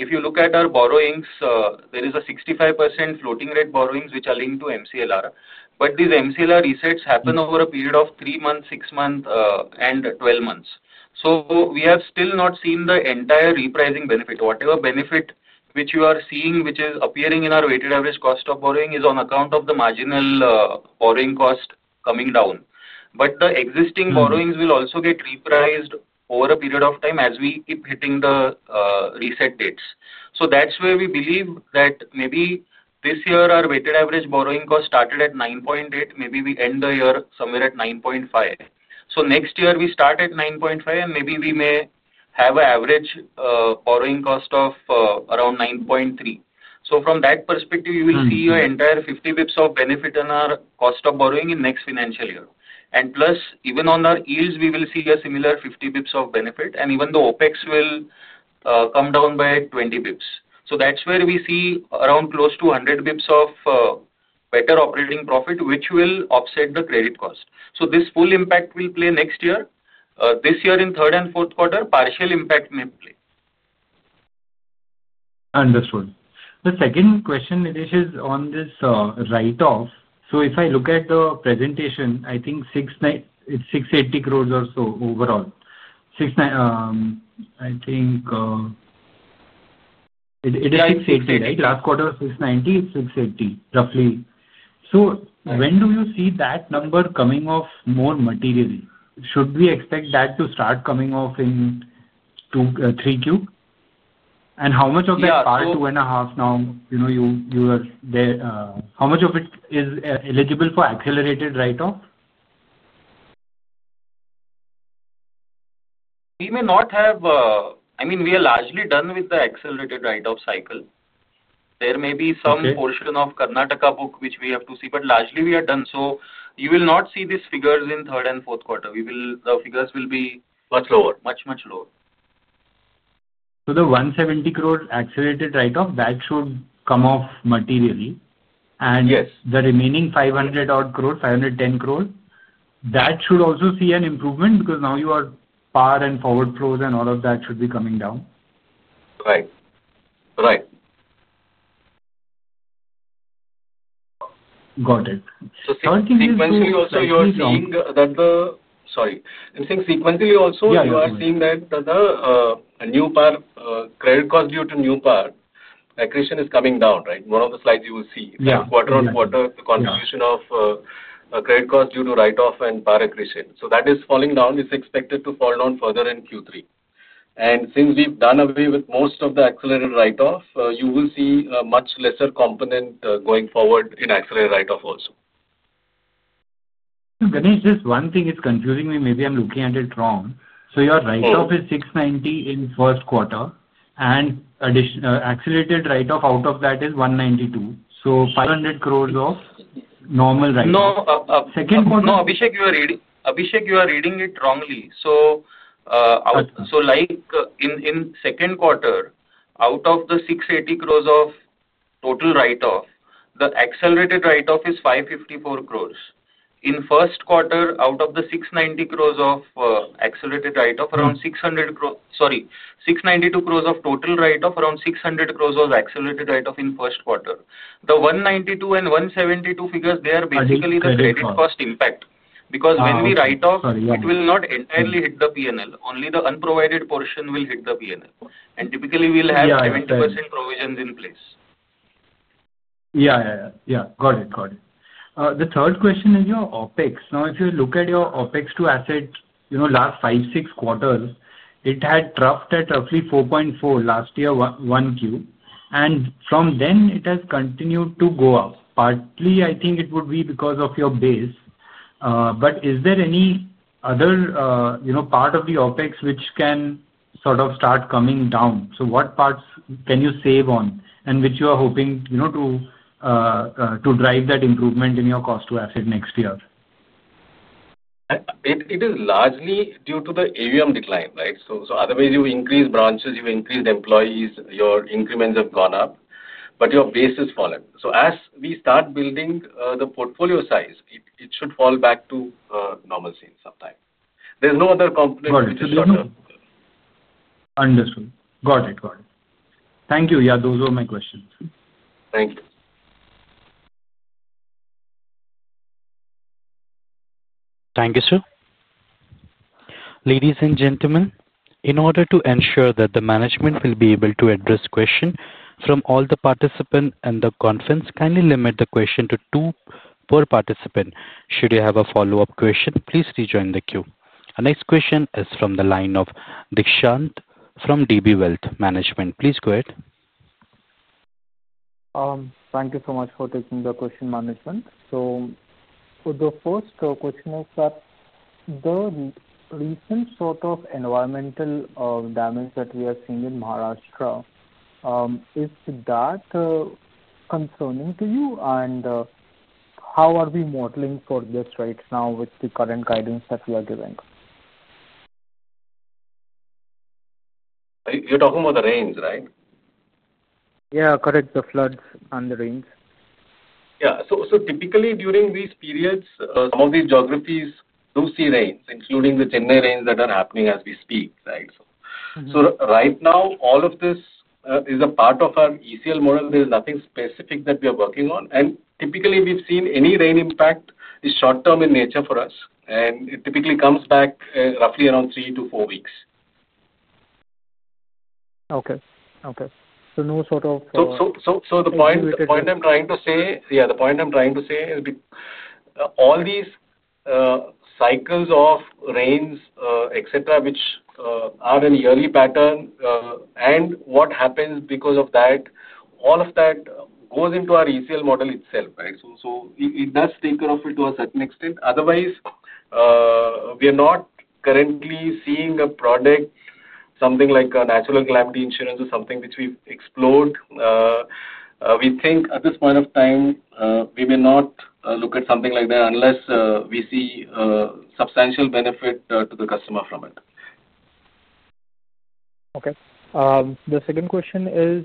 if you look at our borrowings, there is a 65% floating rate borrowings which are linked to MCLR. These MCLR resets happen over a period of 3 months, 6 months, and 12 months. We have still not seen the entire repricing benefit. Whatever benefit you are seeing, which is appearing in our weighted average cost of borrowing, is on account of the marginal borrowing cost coming down. The existing borrowings will also get repriced over a period of time as we keep hitting the reset dates. That's where we believe that maybe this year our weighted average borrowing cost started at 9.8. Maybe we end the year somewhere at 9.5. Next year, we start at 9.5, and maybe we may have an average borrowing cost of around 9.3. From that perspective, you will see an entire 50 basis points of benefit in our cost of borrowing in the next financial year. Plus, even on our yields, we will see a similar 50 basis points of benefit, and even the OpEx will come down by 20 basis points. That's where we see around close to 100 basis points of better operating profit, which will offset the credit cost. This full impact will play next year. This year in third and fourth quarter, partial impact may play.
Understood. The second question, Nilesh, is on this write-off. If I look at the presentation, I think it's 680 crore or so overall. I think it is 680, right? Last quarter, 690. It's 680 roughly. When do you see that number coming off more materially? Should we expect that to start coming off in Q3? How much of that PAR 2.5 now, you know, you are there, how much of it is eligible for accelerated write-off?
We are largely done with the accelerated write-off cycle. There may be some portion of Karnataka book which we have to see, but largely, we are done. You will not see these figures in third and fourth quarter. The figures will be much lower, much, much lower.
The 170 crore accelerated write-off should come off materially, and the remaining 510 crore should also see an improvement because now your PAR and forward flows and all of that should be coming down.
Right. Right.
Got it. The third thing is to.
Sequentially, you are seeing that the new PAR credit cost due to new PAR attrition is coming down, right? In one of the slides you will see, quarter on quarter, the contribution of credit cost due to write-off and PAR attrition is falling down. It's expected to fall down further in Q3. Since we've done away with most of the accelerated write-off, you will see a much lesser component going forward in accelerated write-off also.
Ramesh, this one thing is confusing me. Maybe I'm looking at it wrong. Your write-off is 690 crore in the first quarter, and additional accelerated write-off out of that is 192 crore. 500 crore of normal write-off.
No.
Second quarter.
No, Abhijit, you are reading it wrongly. In the second quarter, out of the 680 crore total write-off, the accelerated write-off is 554 crore. In the first quarter, out of the 692 crore total write-off, around 600 crore is accelerated write-off in the first quarter. The 192 and 172 figures are basically the credit cost impact because when we write off, it will not entirely hit the P&L. Only the unprovided portion will hit the P&L. Typically, we'll have 70% provisions in place.
The third question is your OpEx. Now, if you look at your OpEx to assets, last five, six quarters, it had troughed at roughly 4.4% last year, Q1. From then, it has continued to go up. Partly, I think it would be because of your base. Is there any other part of the OpEx which can sort of start coming down? What parts can you save on and which you are hoping to drive that improvement in your cost to asset next year?
It is largely due to the AUM decline, right? Otherwise, you increase branches, you increase employees, your increments have gone up, but your base has fallen. As we start building the portfolio size, it should fall back to normalcy in some time. There's no other component which is under.
Understood. Got it. Thank you. Yeah, those were my questions.
Thank you.
Thank you, sir. Ladies and gentlemen, in order to ensure that the management will be able to address questions from all the participants in the conference, kindly limit the question to two per participant. Should you have a follow-up question, please rejoin the queue. Our next question is from the line of Deekshant from DB Wealth Management. Please go ahead.
Thank you so much for taking the question, Manoj. The first question is that the recent sort of environmental damage that we are seeing in Maharashtra, is that concerning to you? How are we modeling for this right now with the current guidance that we are giving?
You're talking about the rains, right?
Yeah, correct. The floods and the rains.
Yeah. Typically, during these periods, some of these geographies do see rains, including the Chennai rains that are happening as we speak, right? Right now, all of this is a part of our ECL model. There's nothing specific that we are working on. Typically, we've seen any rain impact is short-term in nature for us, and it typically comes back roughly around three to four weeks.
Okay. So no sort of.
The point I'm trying to say is all these cycles of rains, etc., which are in a yearly pattern and what happens because of that, all of that goes into our ECL model itself, right? It does take care of it to a certain extent. Otherwise, we are not currently seeing a product, something like a natural calamity insurance or something which we've explored. We think at this point of time, we may not look at something like that unless we see a substantial benefit to the customer from it.
Okay. The second question is,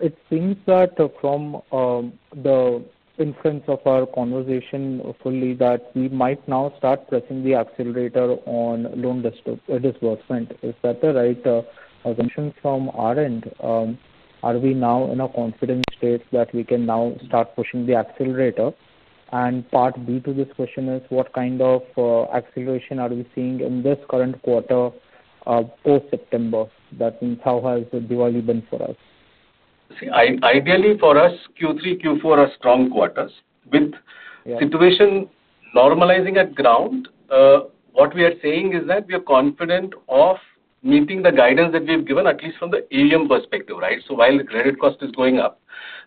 it seems that from the inference of our conversation fully that we might now start pressing the accelerator on loan disbursement. Is that the right assumption from our end? Are we now in a confident state that we can now start pushing the accelerator? Part B to this question is, what kind of acceleration are we seeing in this current quarter post-September? That means how has Diwali been for us?
See, ideally, for us, Q3, Q4 are strong quarters. With the situation normalizing at ground, what we are saying is that we are confident of meeting the guidance that we have given, at least from the AUM perspective, right? While the credit cost is going up,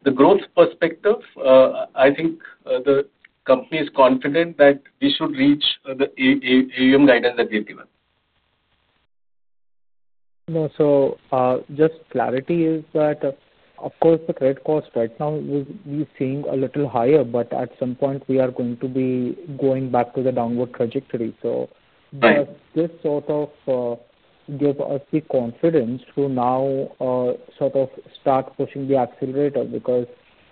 the growth perspective, I think the company is confident that we should reach the AUM guidance that we have given.
No, just clarity is that, of course, the credit cost right now will be seeing a little higher, but at some point, we are going to be going back to the downward trajectory. Does this sort of give us the confidence to now sort of start pushing the accelerator because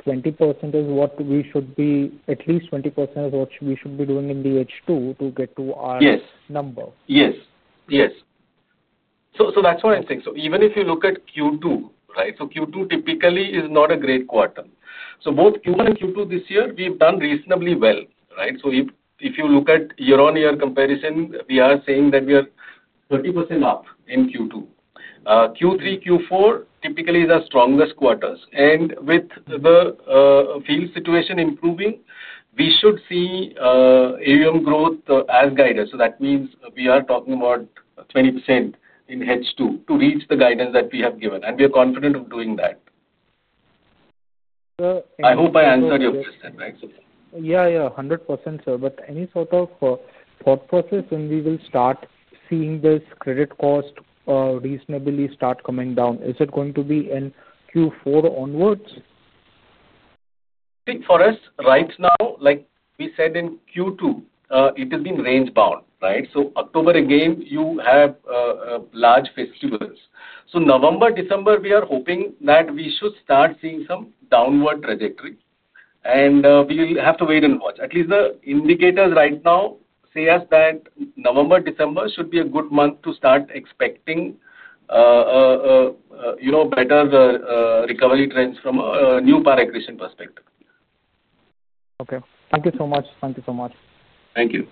20% is what we should be, at least 20% is what we should be doing in the H2 to get to our number?
Yes. That's what I think. Even if you look at Q2, right, Q2 typically is not a great quarter. Both Q1 and Q2 this year, we've done reasonably well, right? If you look at year-on-year comparison, we are saying that we are 30% up in Q2. Q3 and Q4 typically are our strongest quarters. With the field situation improving, we should see AUM growth as guided. That means we are talking about 20% in H2 to reach the guidance that we have given. We are confident of doing that. I hope I answered your question, right?
Yeah, 100%, sir. Any sort of thought process when we will start seeing this credit cost reasonably start coming down? Is it going to be in Q4 onwards?
I think for us right now, like we said in Q2, it has been range-bound, right? October, again, you have large festives. November, December, we are hoping that we should start seeing some downward trajectory. We'll have to wait and watch. At least the indicators right now say us that November, December should be a good month to start expecting better recovery trends from a new par attrition perspective.
Okay. Thank you so much. Thank you so much.
Thank you.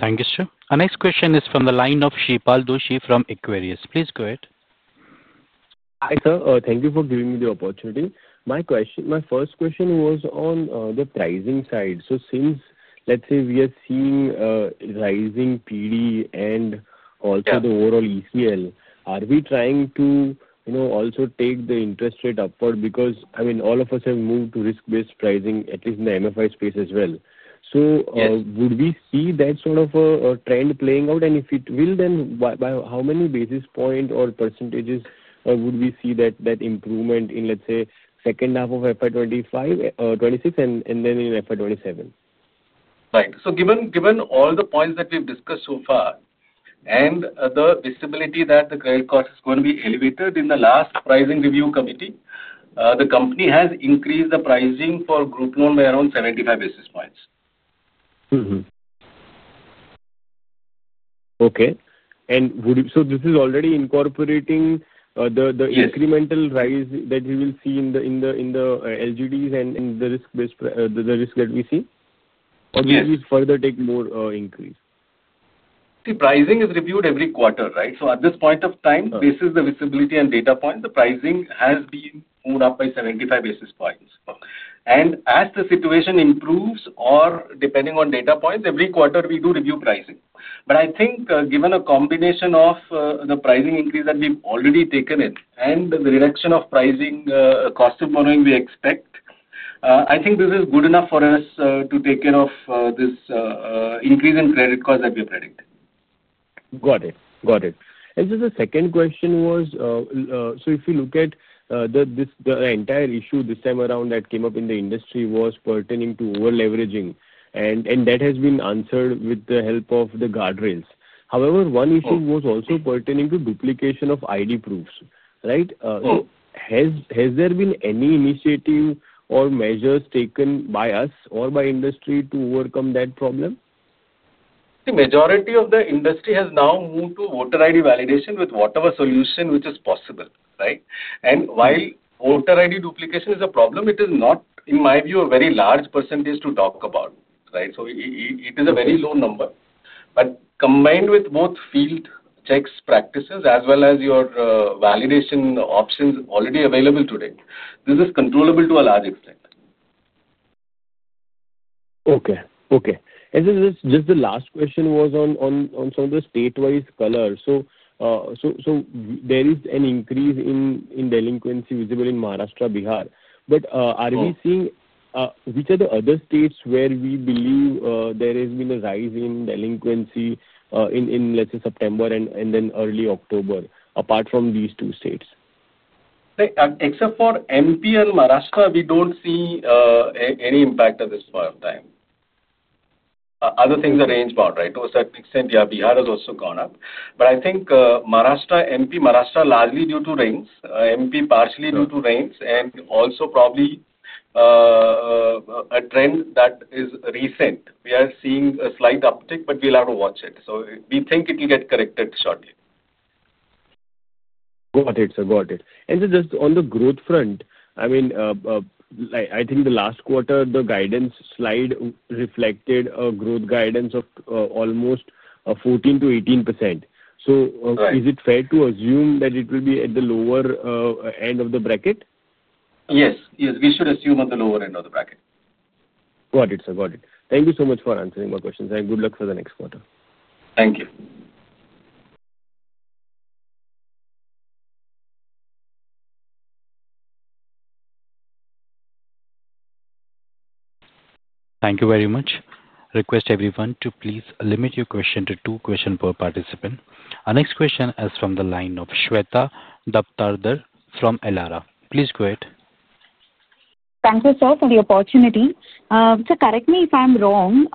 Thank you, sir. Our next question is from the line of Shreepal Doshi from Equirius. Please go ahead.
Hi, sir. Thank you for giving me the opportunity. My first question was on the pricing side. Since, let's say, we are seeing a rising PD and also the overall ECL, are we trying to, you know, also take the interest rate upward? I mean, all of us have moved to risk-based pricing, at least in the MFI space as well. Would we see that sort of a trend playing out? If it will, then by how many basis points or percentage would we see that improvement in, let's say, second half of FY 2026 and then in FY 2027?
Right. Given all the points that we've discussed so far and the visibility that the credit cost is going to be elevated, in the last pricing review committee, the company has increased the pricing for group loan by around 75 basis points.
Okay. Is this already incorporating the incremental rise that you will see in the LGDs and the risk-based risk that we see, or does this further take more increase?
See, pricing is reviewed every quarter, right? At this point of time, this is the visibility and data point. The pricing has been moved up by 75 basis points. As the situation improves or depending on data points, every quarter we do review pricing. I think given a combination of the pricing increase that we've already taken in and the reduction of pricing cost of borrowing we expect, I think this is good enough for us to take care of this increase in credit costs that we have predicted.
Got it. Just the second question was, if we look at the entire issue this time around that came up in the industry, it was pertaining to over-leveraging, and that has been answered with the help of the guardrails. However, one issue was also pertaining to duplication of ID proofs, right? Has there been any initiative or measures taken by us or by the industry to overcome that problem?
The majority of the industry has now moved to voter ID validation with whatever solution which is possible, right? While voter ID duplication is a problem, it is not, in my view, a very large percentage to talk about, right? It is a very low number. Combined with both field checks practices as well as your validation options already available today, this is controllable to a large extent.
Okay. Okay. Just the last question was on some of the statewide colors. There is an increase in delinquency visible in Maharashtra, Bihar. Are we seeing which are the other states where we believe there has been a rise in delinquency in, let's say, September and then early October, apart from these two states?
Except for MP and Maharashtra, we don't see any impact at this point of time. Other things are range-bound, right? To a certain extent, yeah, Bihar has also gone up. I think Maharashtra, MP, Maharashtra largely due to rains, MP partially due to rains, and also probably a trend that is recent. We are seeing a slight uptick, but we'll have to watch it. We think it will get corrected shortly.
Got it, sir. Got it. Just on the growth front, I mean, I think the last quarter, the guidance slide reflected a growth guidance of almost 14%-18%. Is it fair to assume that it will be at the lower end of the bracket?
Yes, yes, we should assume at the lower end of the bracket.
Got it, sir. Got it. Thank you so much for answering my questions, and good luck for the next quarter.
Thank you.
Thank you very much. Request everyone to please limit your question to two questions per participant. Our next question is from the line of Shweta Daptardar from Elara. Please go ahead.
Thank you, sir, for the opportunity. Sir, correct me if I'm wrong.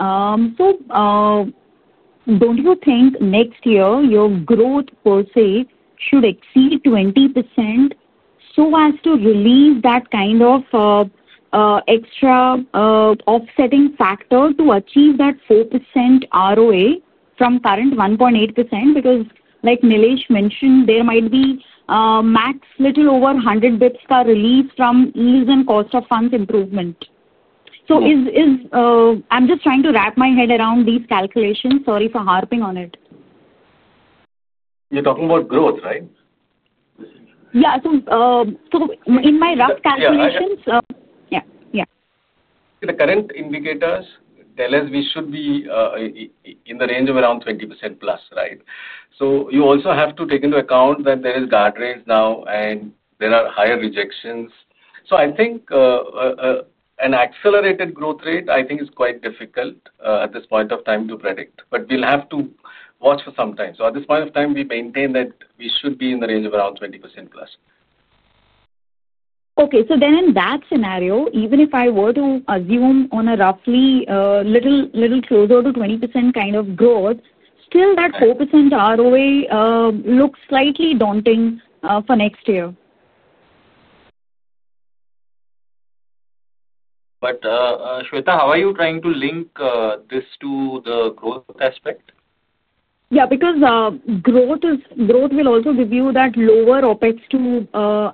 Don't you think next year your growth per se should exceed 20% to relieve that kind of extra offsetting factor to achieve that 4% ROA from current 1.8%? Because, like Nilesh Dhalani mentioned, there might be a max little over 100 basis points per release from ECL and cost of funds improvement. I'm just trying to wrap my head around these calculations. Sorry for harping on it.
You're talking about growth, right?
Yeah, in my rough calculations, yeah.
The current indicators tell us we should be in the range of around 20%+, right? You also have to take into account that there are guardrails now, and there are higher rejections. I think an accelerated growth rate is quite difficult at this point of time to predict. We'll have to watch for some time. At this point of time, we maintain that we should be in the range of around 20%+.
Okay. In that scenario, even if I were to assume on a roughly little closer to 20% kind of growth, still that 4% ROA looks slightly daunting for next year.
Shweta, how are you trying to link this to the growth aspect?
Yeah, because growth will also give you that lower OpEx to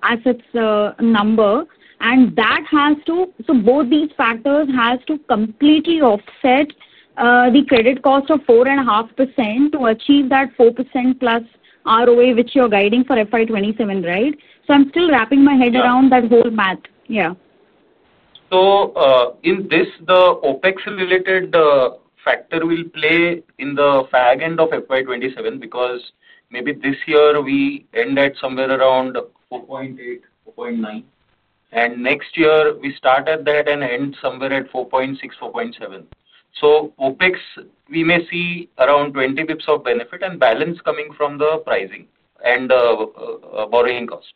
assets number. Both these factors have to completely offset the credit cost of 4.5% to achieve that 4%+ ROA, which you're guiding for FY 2027, right? I'm still wrapping my head around that whole math. Yeah.
In this, the OPEX-related factor will play in the fag end of FY 2027 because maybe this year we end at somewhere around 4.8, 4.9. Next year, we start at that and end somewhere at 4.6, 4.7. OPEX, we may see around 20 basis points of benefit and balance coming from the pricing and borrowing cost.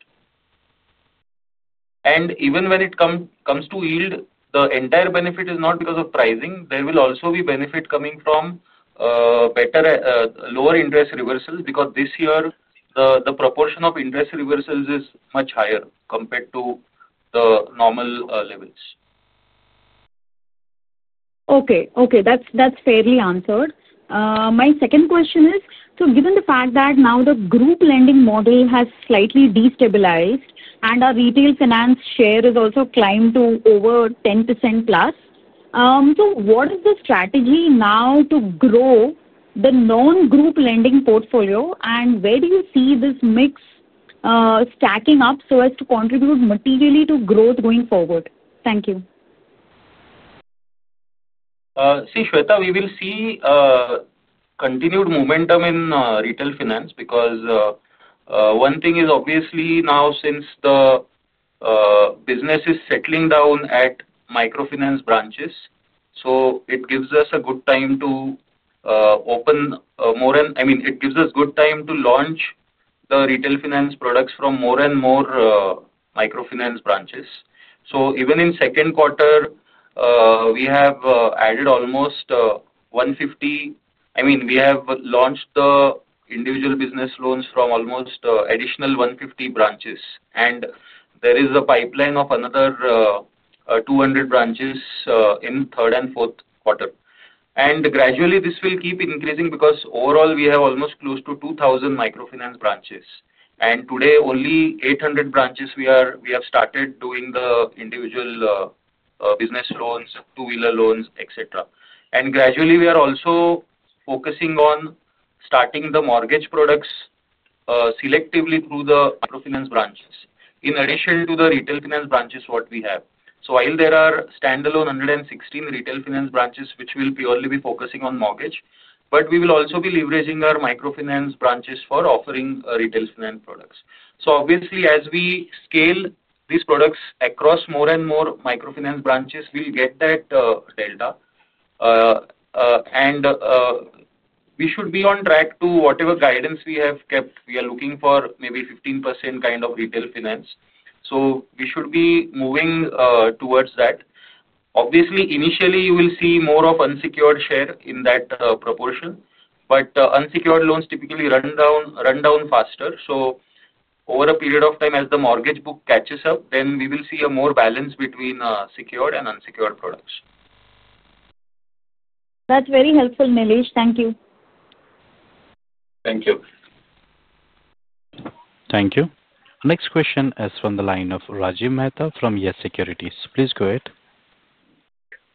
Even when it comes to yield, the entire benefit is not because of pricing. There will also be benefit coming from lower interest reversals because this year, the proportion of interest reversals is much higher compared to the normal levels.
Okay. That's fairly answered. My second question is, given the fact that now the group lending model has slightly destabilized and our retail finance share has also climbed to over 10%+, what is the strategy now to grow the non-group lending portfolio? Where do you see this mix stacking up to contribute materially to growth going forward? Thank you.
See, Shweta, we will see continued momentum in retail finance because one thing is obviously now since the business is settling down at microfinance branches. It gives us a good time to open more, and it gives us good time to launch the retail finance products from more and more microfinance branches. Even in the second quarter, we have added almost 150. We have launched the individual business loans from almost additional 150 branches. There is a pipeline of another 200 branches in the third and fourth quarter. Gradually, this will keep increasing because overall, we have almost close to 2,000 microfinance branches. Today, only 800 branches have started doing the individual business loans, two-wheeler loans, etc. Gradually, we are also focusing on starting the mortgage products selectively through the microfinance branches in addition to the retail finance branches we have. While there are standalone 116 retail finance branches which will purely be focusing on mortgage, we will also be leveraging our microfinance branches for offering retail finance products. Obviously, as we scale these products across more and more microfinance branches, we'll get that delta. We should be on track to whatever guidance we have kept. We are looking for maybe 15% kind of retail finance. We should be moving towards that. Initially, you will see more of unsecured share in that proportion. Unsecured loans typically run down faster. Over a period of time, as the mortgage book catches up, then we will see a more balance between secured and unsecured products.
That's very helpful, Nilesh. Thank you.
Thank you.
Thank you. Our next question is from the line of Rajiv Mehta from YES SECURITIES. Please go ahead.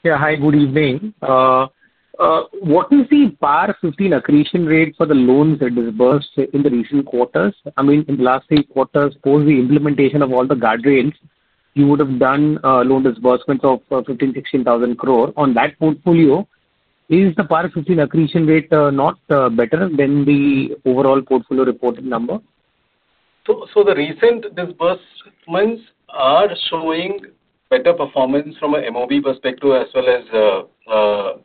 Yeah. Hi. Good evening. What is the PAR 15 attrition rate for the loans that are disbursed in the recent quarters? I mean, in the last three quarters, post the implementation of all the guardrails, you would have done loan disbursements of 15,000, 16,000 crore. On that portfolio, is the PAR 15 attrition rate not better than the overall portfolio reported number?
The recent disbursements are showing better performance from an MOB perspective as well as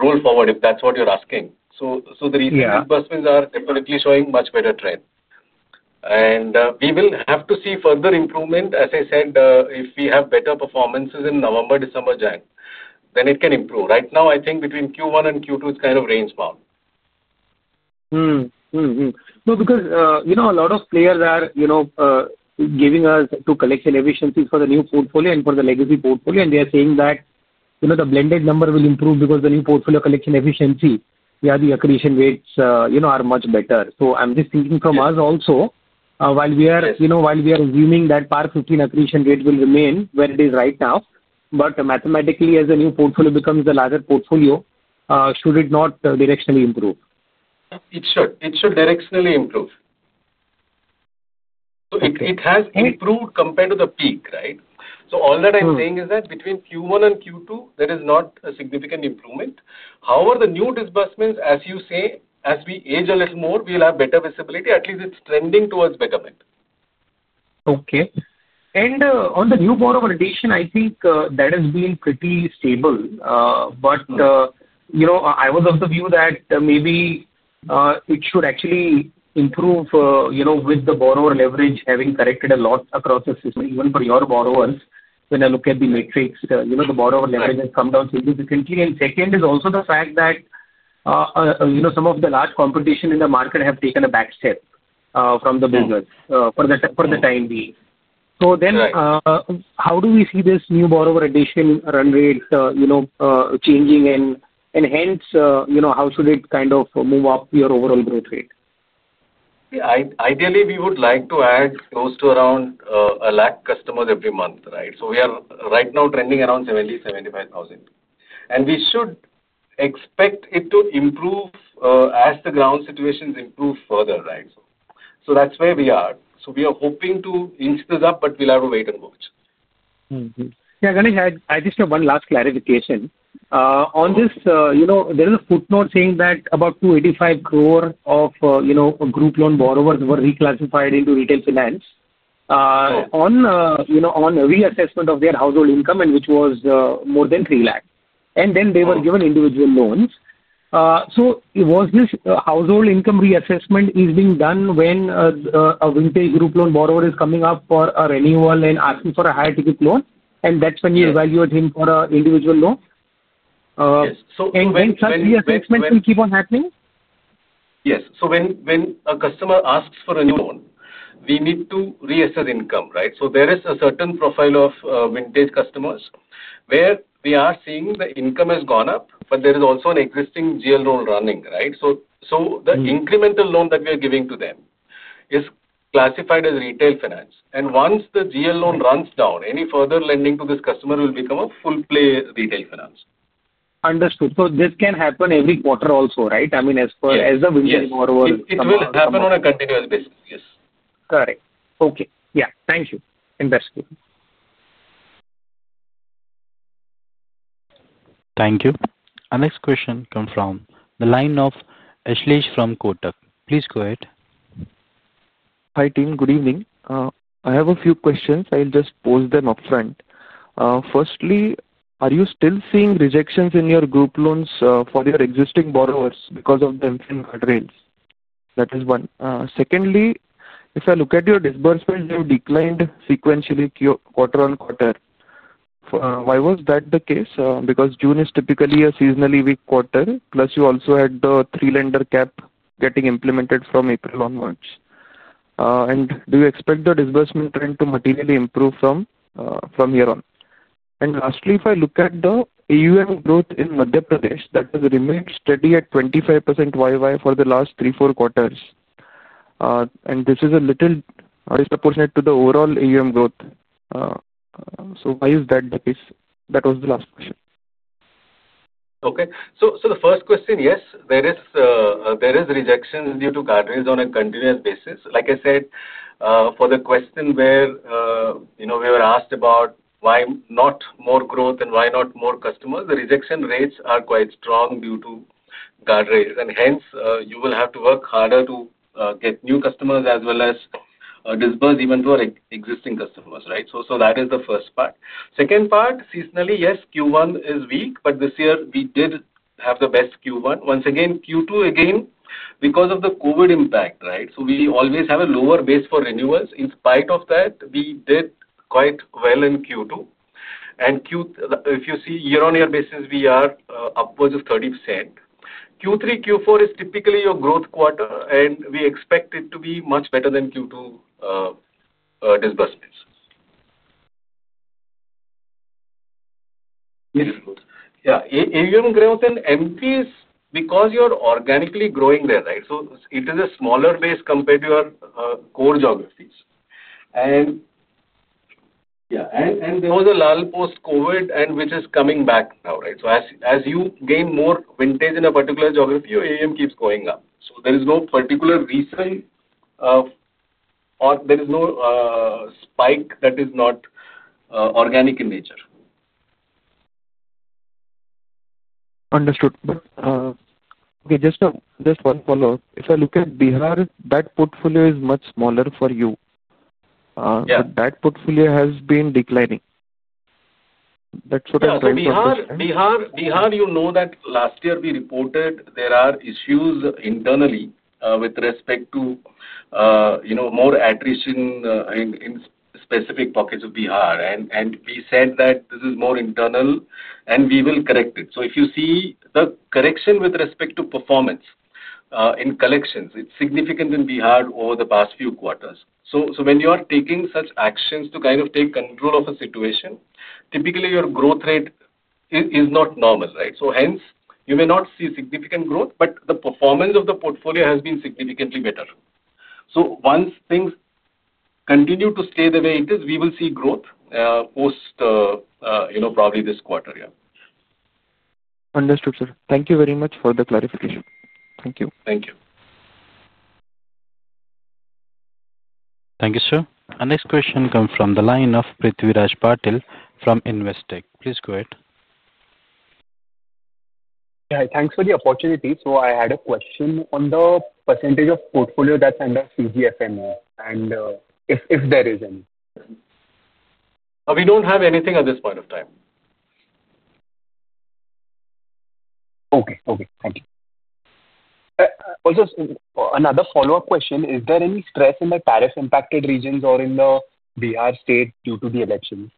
roll forward, if that's what you're asking. The recent disbursements are definitely showing a much better trend, and we will have to see further improvement. As I said, if we have better performances in November, December, January, then it can improve. Right now, I think between Q1 and Q2, it's kind of range-bound.
No, because you know a lot of players are giving us two collection efficiencies for the new portfolio and for the legacy portfolio. They are saying that the blended number will improve because the new portfolio collection efficiency, yeah, the attrition rates are much better. I'm just thinking from us also, while we are assuming that par 15 attrition rate will remain where it is right now. Mathematically, as the new portfolio becomes a larger portfolio, should it not directionally improve?
It should directionally improve. It has improved compared to the peak, right? All that I'm saying is that between Q1 and Q2, there is not a significant improvement. However, the new disbursements, as you say, as we age a little more, we'll have better visibility. At least it's trending towards betterment.
Okay. On the new borrower addition, I think that has been pretty stable. I was of the view that maybe it should actually improve, with the borrower leverage having corrected a lot across the board. Even for your borrowers, when I look at the matrix, the borrower leverage has come down significantly. The second is also the fact that some of the large competition in the market have taken a back step from the biggers for the time being. How do we see this new borrower addition run rate changing? How should it kind of move up your overall growth rate?
Yeah. Ideally, we would like to add close to around 100,000 customers every month, right? We are right now trending around 70,000, 75,000, and we should expect it to improve as the ground situations improve further, right? That's where we are. We are hoping to inch this up, but we'll have to wait and watch.
Yeah. Ganesh, I just have one last clarification. On this, you know, there is a footnote saying that about 285 crore of, you know, group loan borrowers were reclassified into retail finance on, you know, on a reassessment of their household income, which was more than 3 lakh. They were given individual loans. Was this household income reassessment being done when a vintage group loan borrower is coming up for a renewal and asking for a higher ticket loan? That's when you evaluate him for an individual loan?
Yes.
When such reassessments will keep on happening?
Yes. When a customer asks for a new loan, we need to reassess income, right? There is a certain profile of vintage customers where we are seeing the income has gone up, but there is also an existing GL loan running, right? The incremental loan that we are giving to them is classified as retail finance, and once the GL loan runs down, any further lending to this customer will become a full-play retail finance.
Understood. This can happen every quarter also, right? I mean, as the vintage borrower?
It will happen on a continuous basis, yes.
Got it. Okay. Yeah. Thank you.
Thank you. Our next question comes from the line of Ashlesh from Kotak. Please go ahead.
Hi, team. Good evening. I have a few questions. I'll just pose them upfront. Firstly, are you still seeing rejections in your group loans for your existing borrowers because of the inflation guardrails? That is one. Secondly, if I look at your disbursement, you've declined sequentially quarter on quarter. Why was that the case? June is typically a seasonally weak quarter, plus you also had the three-lender cap getting implemented from April onwards. Do you expect the disbursement trend to materially improve from here on? Lastly, if I look at the AUM growth in Madhya Pradesh, that has remained steady year-over-year for the last three, four quarters. This is a little disproportionate to the overall AUM growth. Why is that the case? That was the last question.
Okay. The first question, yes, there is rejection due to guardrails on a continuous basis. Like I said, for the question where. You We were asked about why not more growth and why not more customers. The rejection rates are quite strong due to guardrails, and hence, you will have to work harder to get new customers as well as disperse even for existing customers, right? That is the first part. Second part, seasonally, yes, Q1 is weak, but this year we did have the best Q1. Once again, Q2, again, because of the COVID impact, right? We always have a lower base for renewals. In spite of that, we did quite well in Q2. If you see, year-on-year basis, we are upwards of 30%. Q3, Q4 is typically your growth quarter, and we expect it to be much better than Q2, dispersements.
Mm-hmm.
Yeah, even growth in MVs because you're organically growing there, right? It is a smaller base compared to your core geographies. How's the lull post-COVID, which is coming back now, right? As you gain more vintage in a particular geography, your AUM keeps going up. There is no particular reason, or there is no spike that is not organic in nature.
Understood. Okay, just one follow-up. If I look at Bihar, that portfolio is much smaller for you.
Yeah.
That portfolio has been declining. That's what I'm trying to understand.
Bihar, you know that last year we reported there are issues internally with respect to more attrition in specific pockets of Bihar. We said that this is more internal, and we will correct it. If you see the correction with respect to performance in collections, it's significant in Bihar over the past few quarters. When you are taking such actions to kind of take control of a situation, typically your growth rate is not normal, right? You may not see significant growth, but the performance of the portfolio has been significantly better. Once things continue to stay the way it is, we will see growth, probably post this quarter, yeah.
Understood, sir. Thank you very much for the clarification. Thank you.
Thank you.
Thank you, sir. Our next question comes from the line of Prithviraj Patil from Investec. Please go ahead.
Yeah, hi. Thanks for the opportunity. I had a question on the percentage of portfolio that's under CGFMO, if there is any.
We don't have anything at this point of time.
Okay. Thank you. Also, another follow-up question. Is there any stress in the tariff-impacted regions or in the Bihar state due to the elections?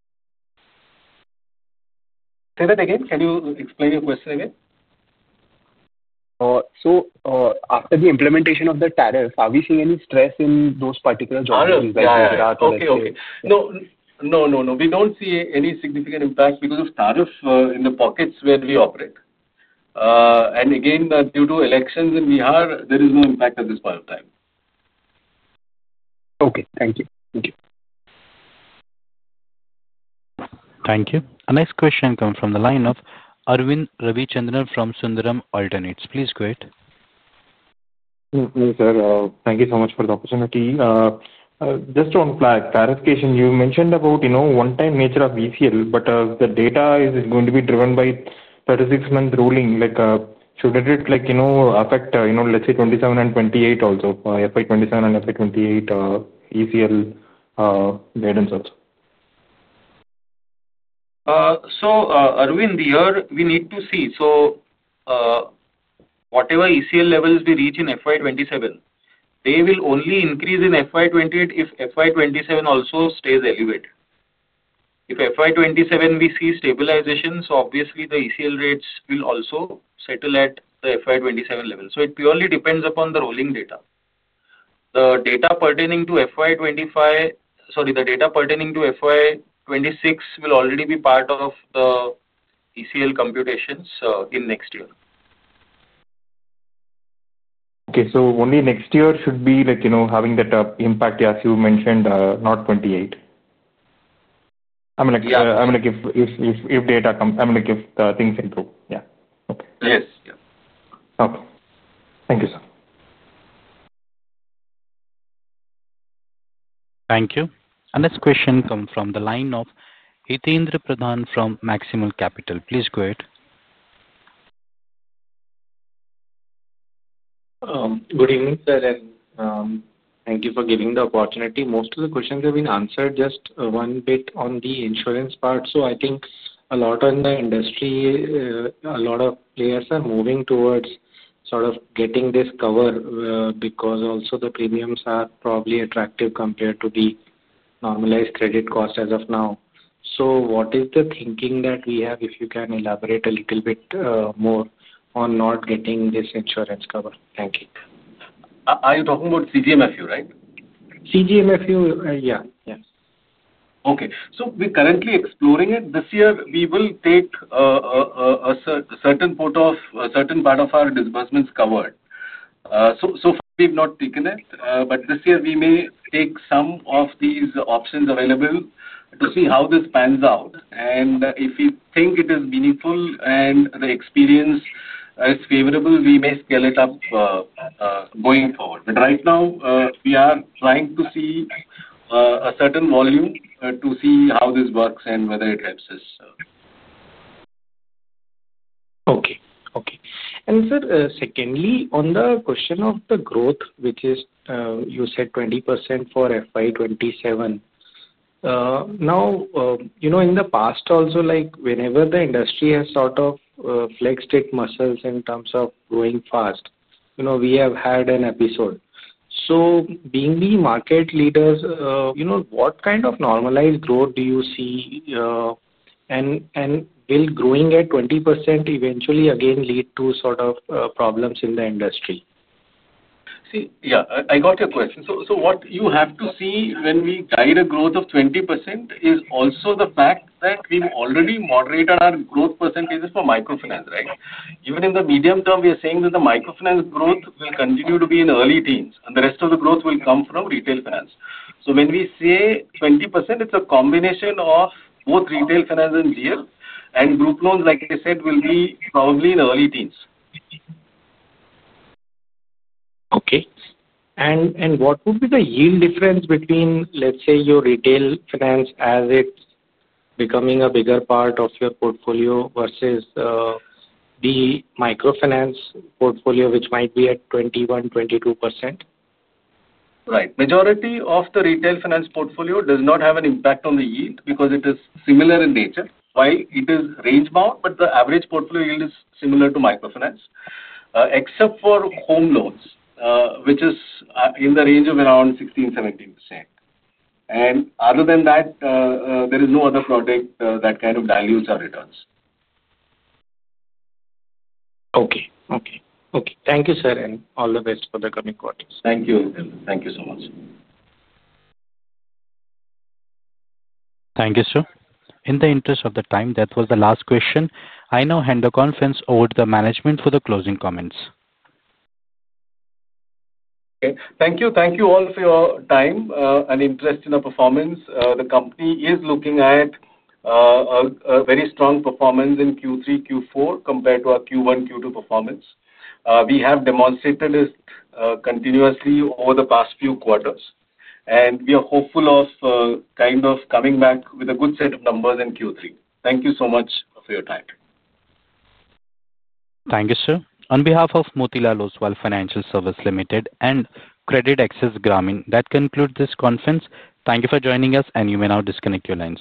Say that again. Can you explain your question again?
After the implementation of the tariffs, are we seeing any stress in those particular geographies like Gujarat or?
No, no, no, no. We don't see any significant impact because of tariff in the pockets where we operate. Again, due to elections in Bihar, there is no impact at this point of time.
Okay. Thank you. Thank you.
Thank you. Our next question comes from the line of Aravind Ravichandran from Sundaram Alternates. Please go ahead.
Sir, thank you so much for the opportunity. Just to clarify, you mentioned about, you know, one-time nature of ECL, but the data is going to be driven by 36-month ruling. Should it, like, you know, affect, let's say, 2027 and 2028 also for FY 2027 and FY 2028 ECL guidance also?
Arvind, we need to see. Whatever ECL levels we reach in FY 2027, they will only increase in FY 2028 if FY 2027 also stays elevated. If FY 2027 we see stabilization, obviously the ECL rates will also settle at the FY 2027 level. It purely depends upon the rolling data. The data pertaining to FY 2025, sorry, the data pertaining to FY 2026 will already be part of the ECL computations next year.
Okay. Only next year should be, like, you know, having that impact, as you mentioned, not 2028. I mean, like,
Yeah.
If data come, I mean, like, if things improve. Yeah. Okay.
Yes. Yeah.
Okay. Thank you, sir.
Thank you. Our next question comes from the line of Hitaindra Pradhan from Maximal Capital. Please go ahead.
Good evening, sir, and thank you for giving the opportunity. Most of the questions have been answered, just one bit on the insurance part. I think in the industry, a lot of players are moving towards sort of getting this cover, because also the premiums are probably attractive compared to the normalized credit cost as of now. What is the thinking that we have, if you can elaborate a little bit more on not getting this insurance cover? Thank you.
Are you talking about CreditAccess Grameen Limited, right?
Yes.
Okay. We're currently exploring it. This year we will take a certain part of our disbursements covered. So far we've not taken it.
Mm-hmm.
This year we may take some of these options available to see how this pans out. If we think it is meaningful and the experience is favorable, we may scale it up going forward. Right now, we are trying to see a certain volume to see how this works and whether it helps us.
Okay. Sir, secondly, on the question of the growth, which is, you said 20% for FY 2027. Now, you know, in the past also, like, whenever the industry has sort of flexed its muscles in terms of growing fast, we have had an episode. Being the market leaders, what kind of normalized growth do you see, and will growing at 20% eventually again lead to problems in the industry?
Yeah, I got your question. What you have to see when we guide a growth of 20% is also the fact that we've already moderated our growth percentages for microfinance, right? Even in the medium term, we are saying that the microfinance growth will continue to be in early teens, and the rest of the growth will come from retail finance. When we say 20%, it's a combination of both retail finance and GL, and group loans, like I said, will be probably in early teens.
Okay. What would be the yield difference between, let's say, your retail finance as it's becoming a bigger part of your portfolio versus the microfinance portfolio, which might be at 21% or 22%?
Right. Majority of the retail finance portfolio does not have an impact on the yield because it is similar in nature. Why? It is range-bound, but the average portfolio yield is similar to microfinance, except for home loans, which is in the range of around 16%-17%. Other than that, there is no other project that kind of dilutes our returns.
Okay. Okay. Okay. Thank you, sir, and all the best for the coming quarters.
Thank you. Thank you so much.
Thank you, sir. In the interest of the time, that was the last question. I now hand the conference over to the management for the closing comments.
Okay. Thank you. Thank you all for your time and interest in the performance. The company is looking at a very strong performance in Q3, Q4 compared to our Q1, Q2 performance. We have demonstrated this continuously over the past few quarters, and we are hopeful of kind of coming back with a good set of numbers in Q3. Thank you so much for your time.
Thank you, sir. On behalf of Motilal Oswal Financial Services Limited and CreditAccess Grameen Limited, that concludes this conference. Thank you for joining us, and you may now disconnect your lines.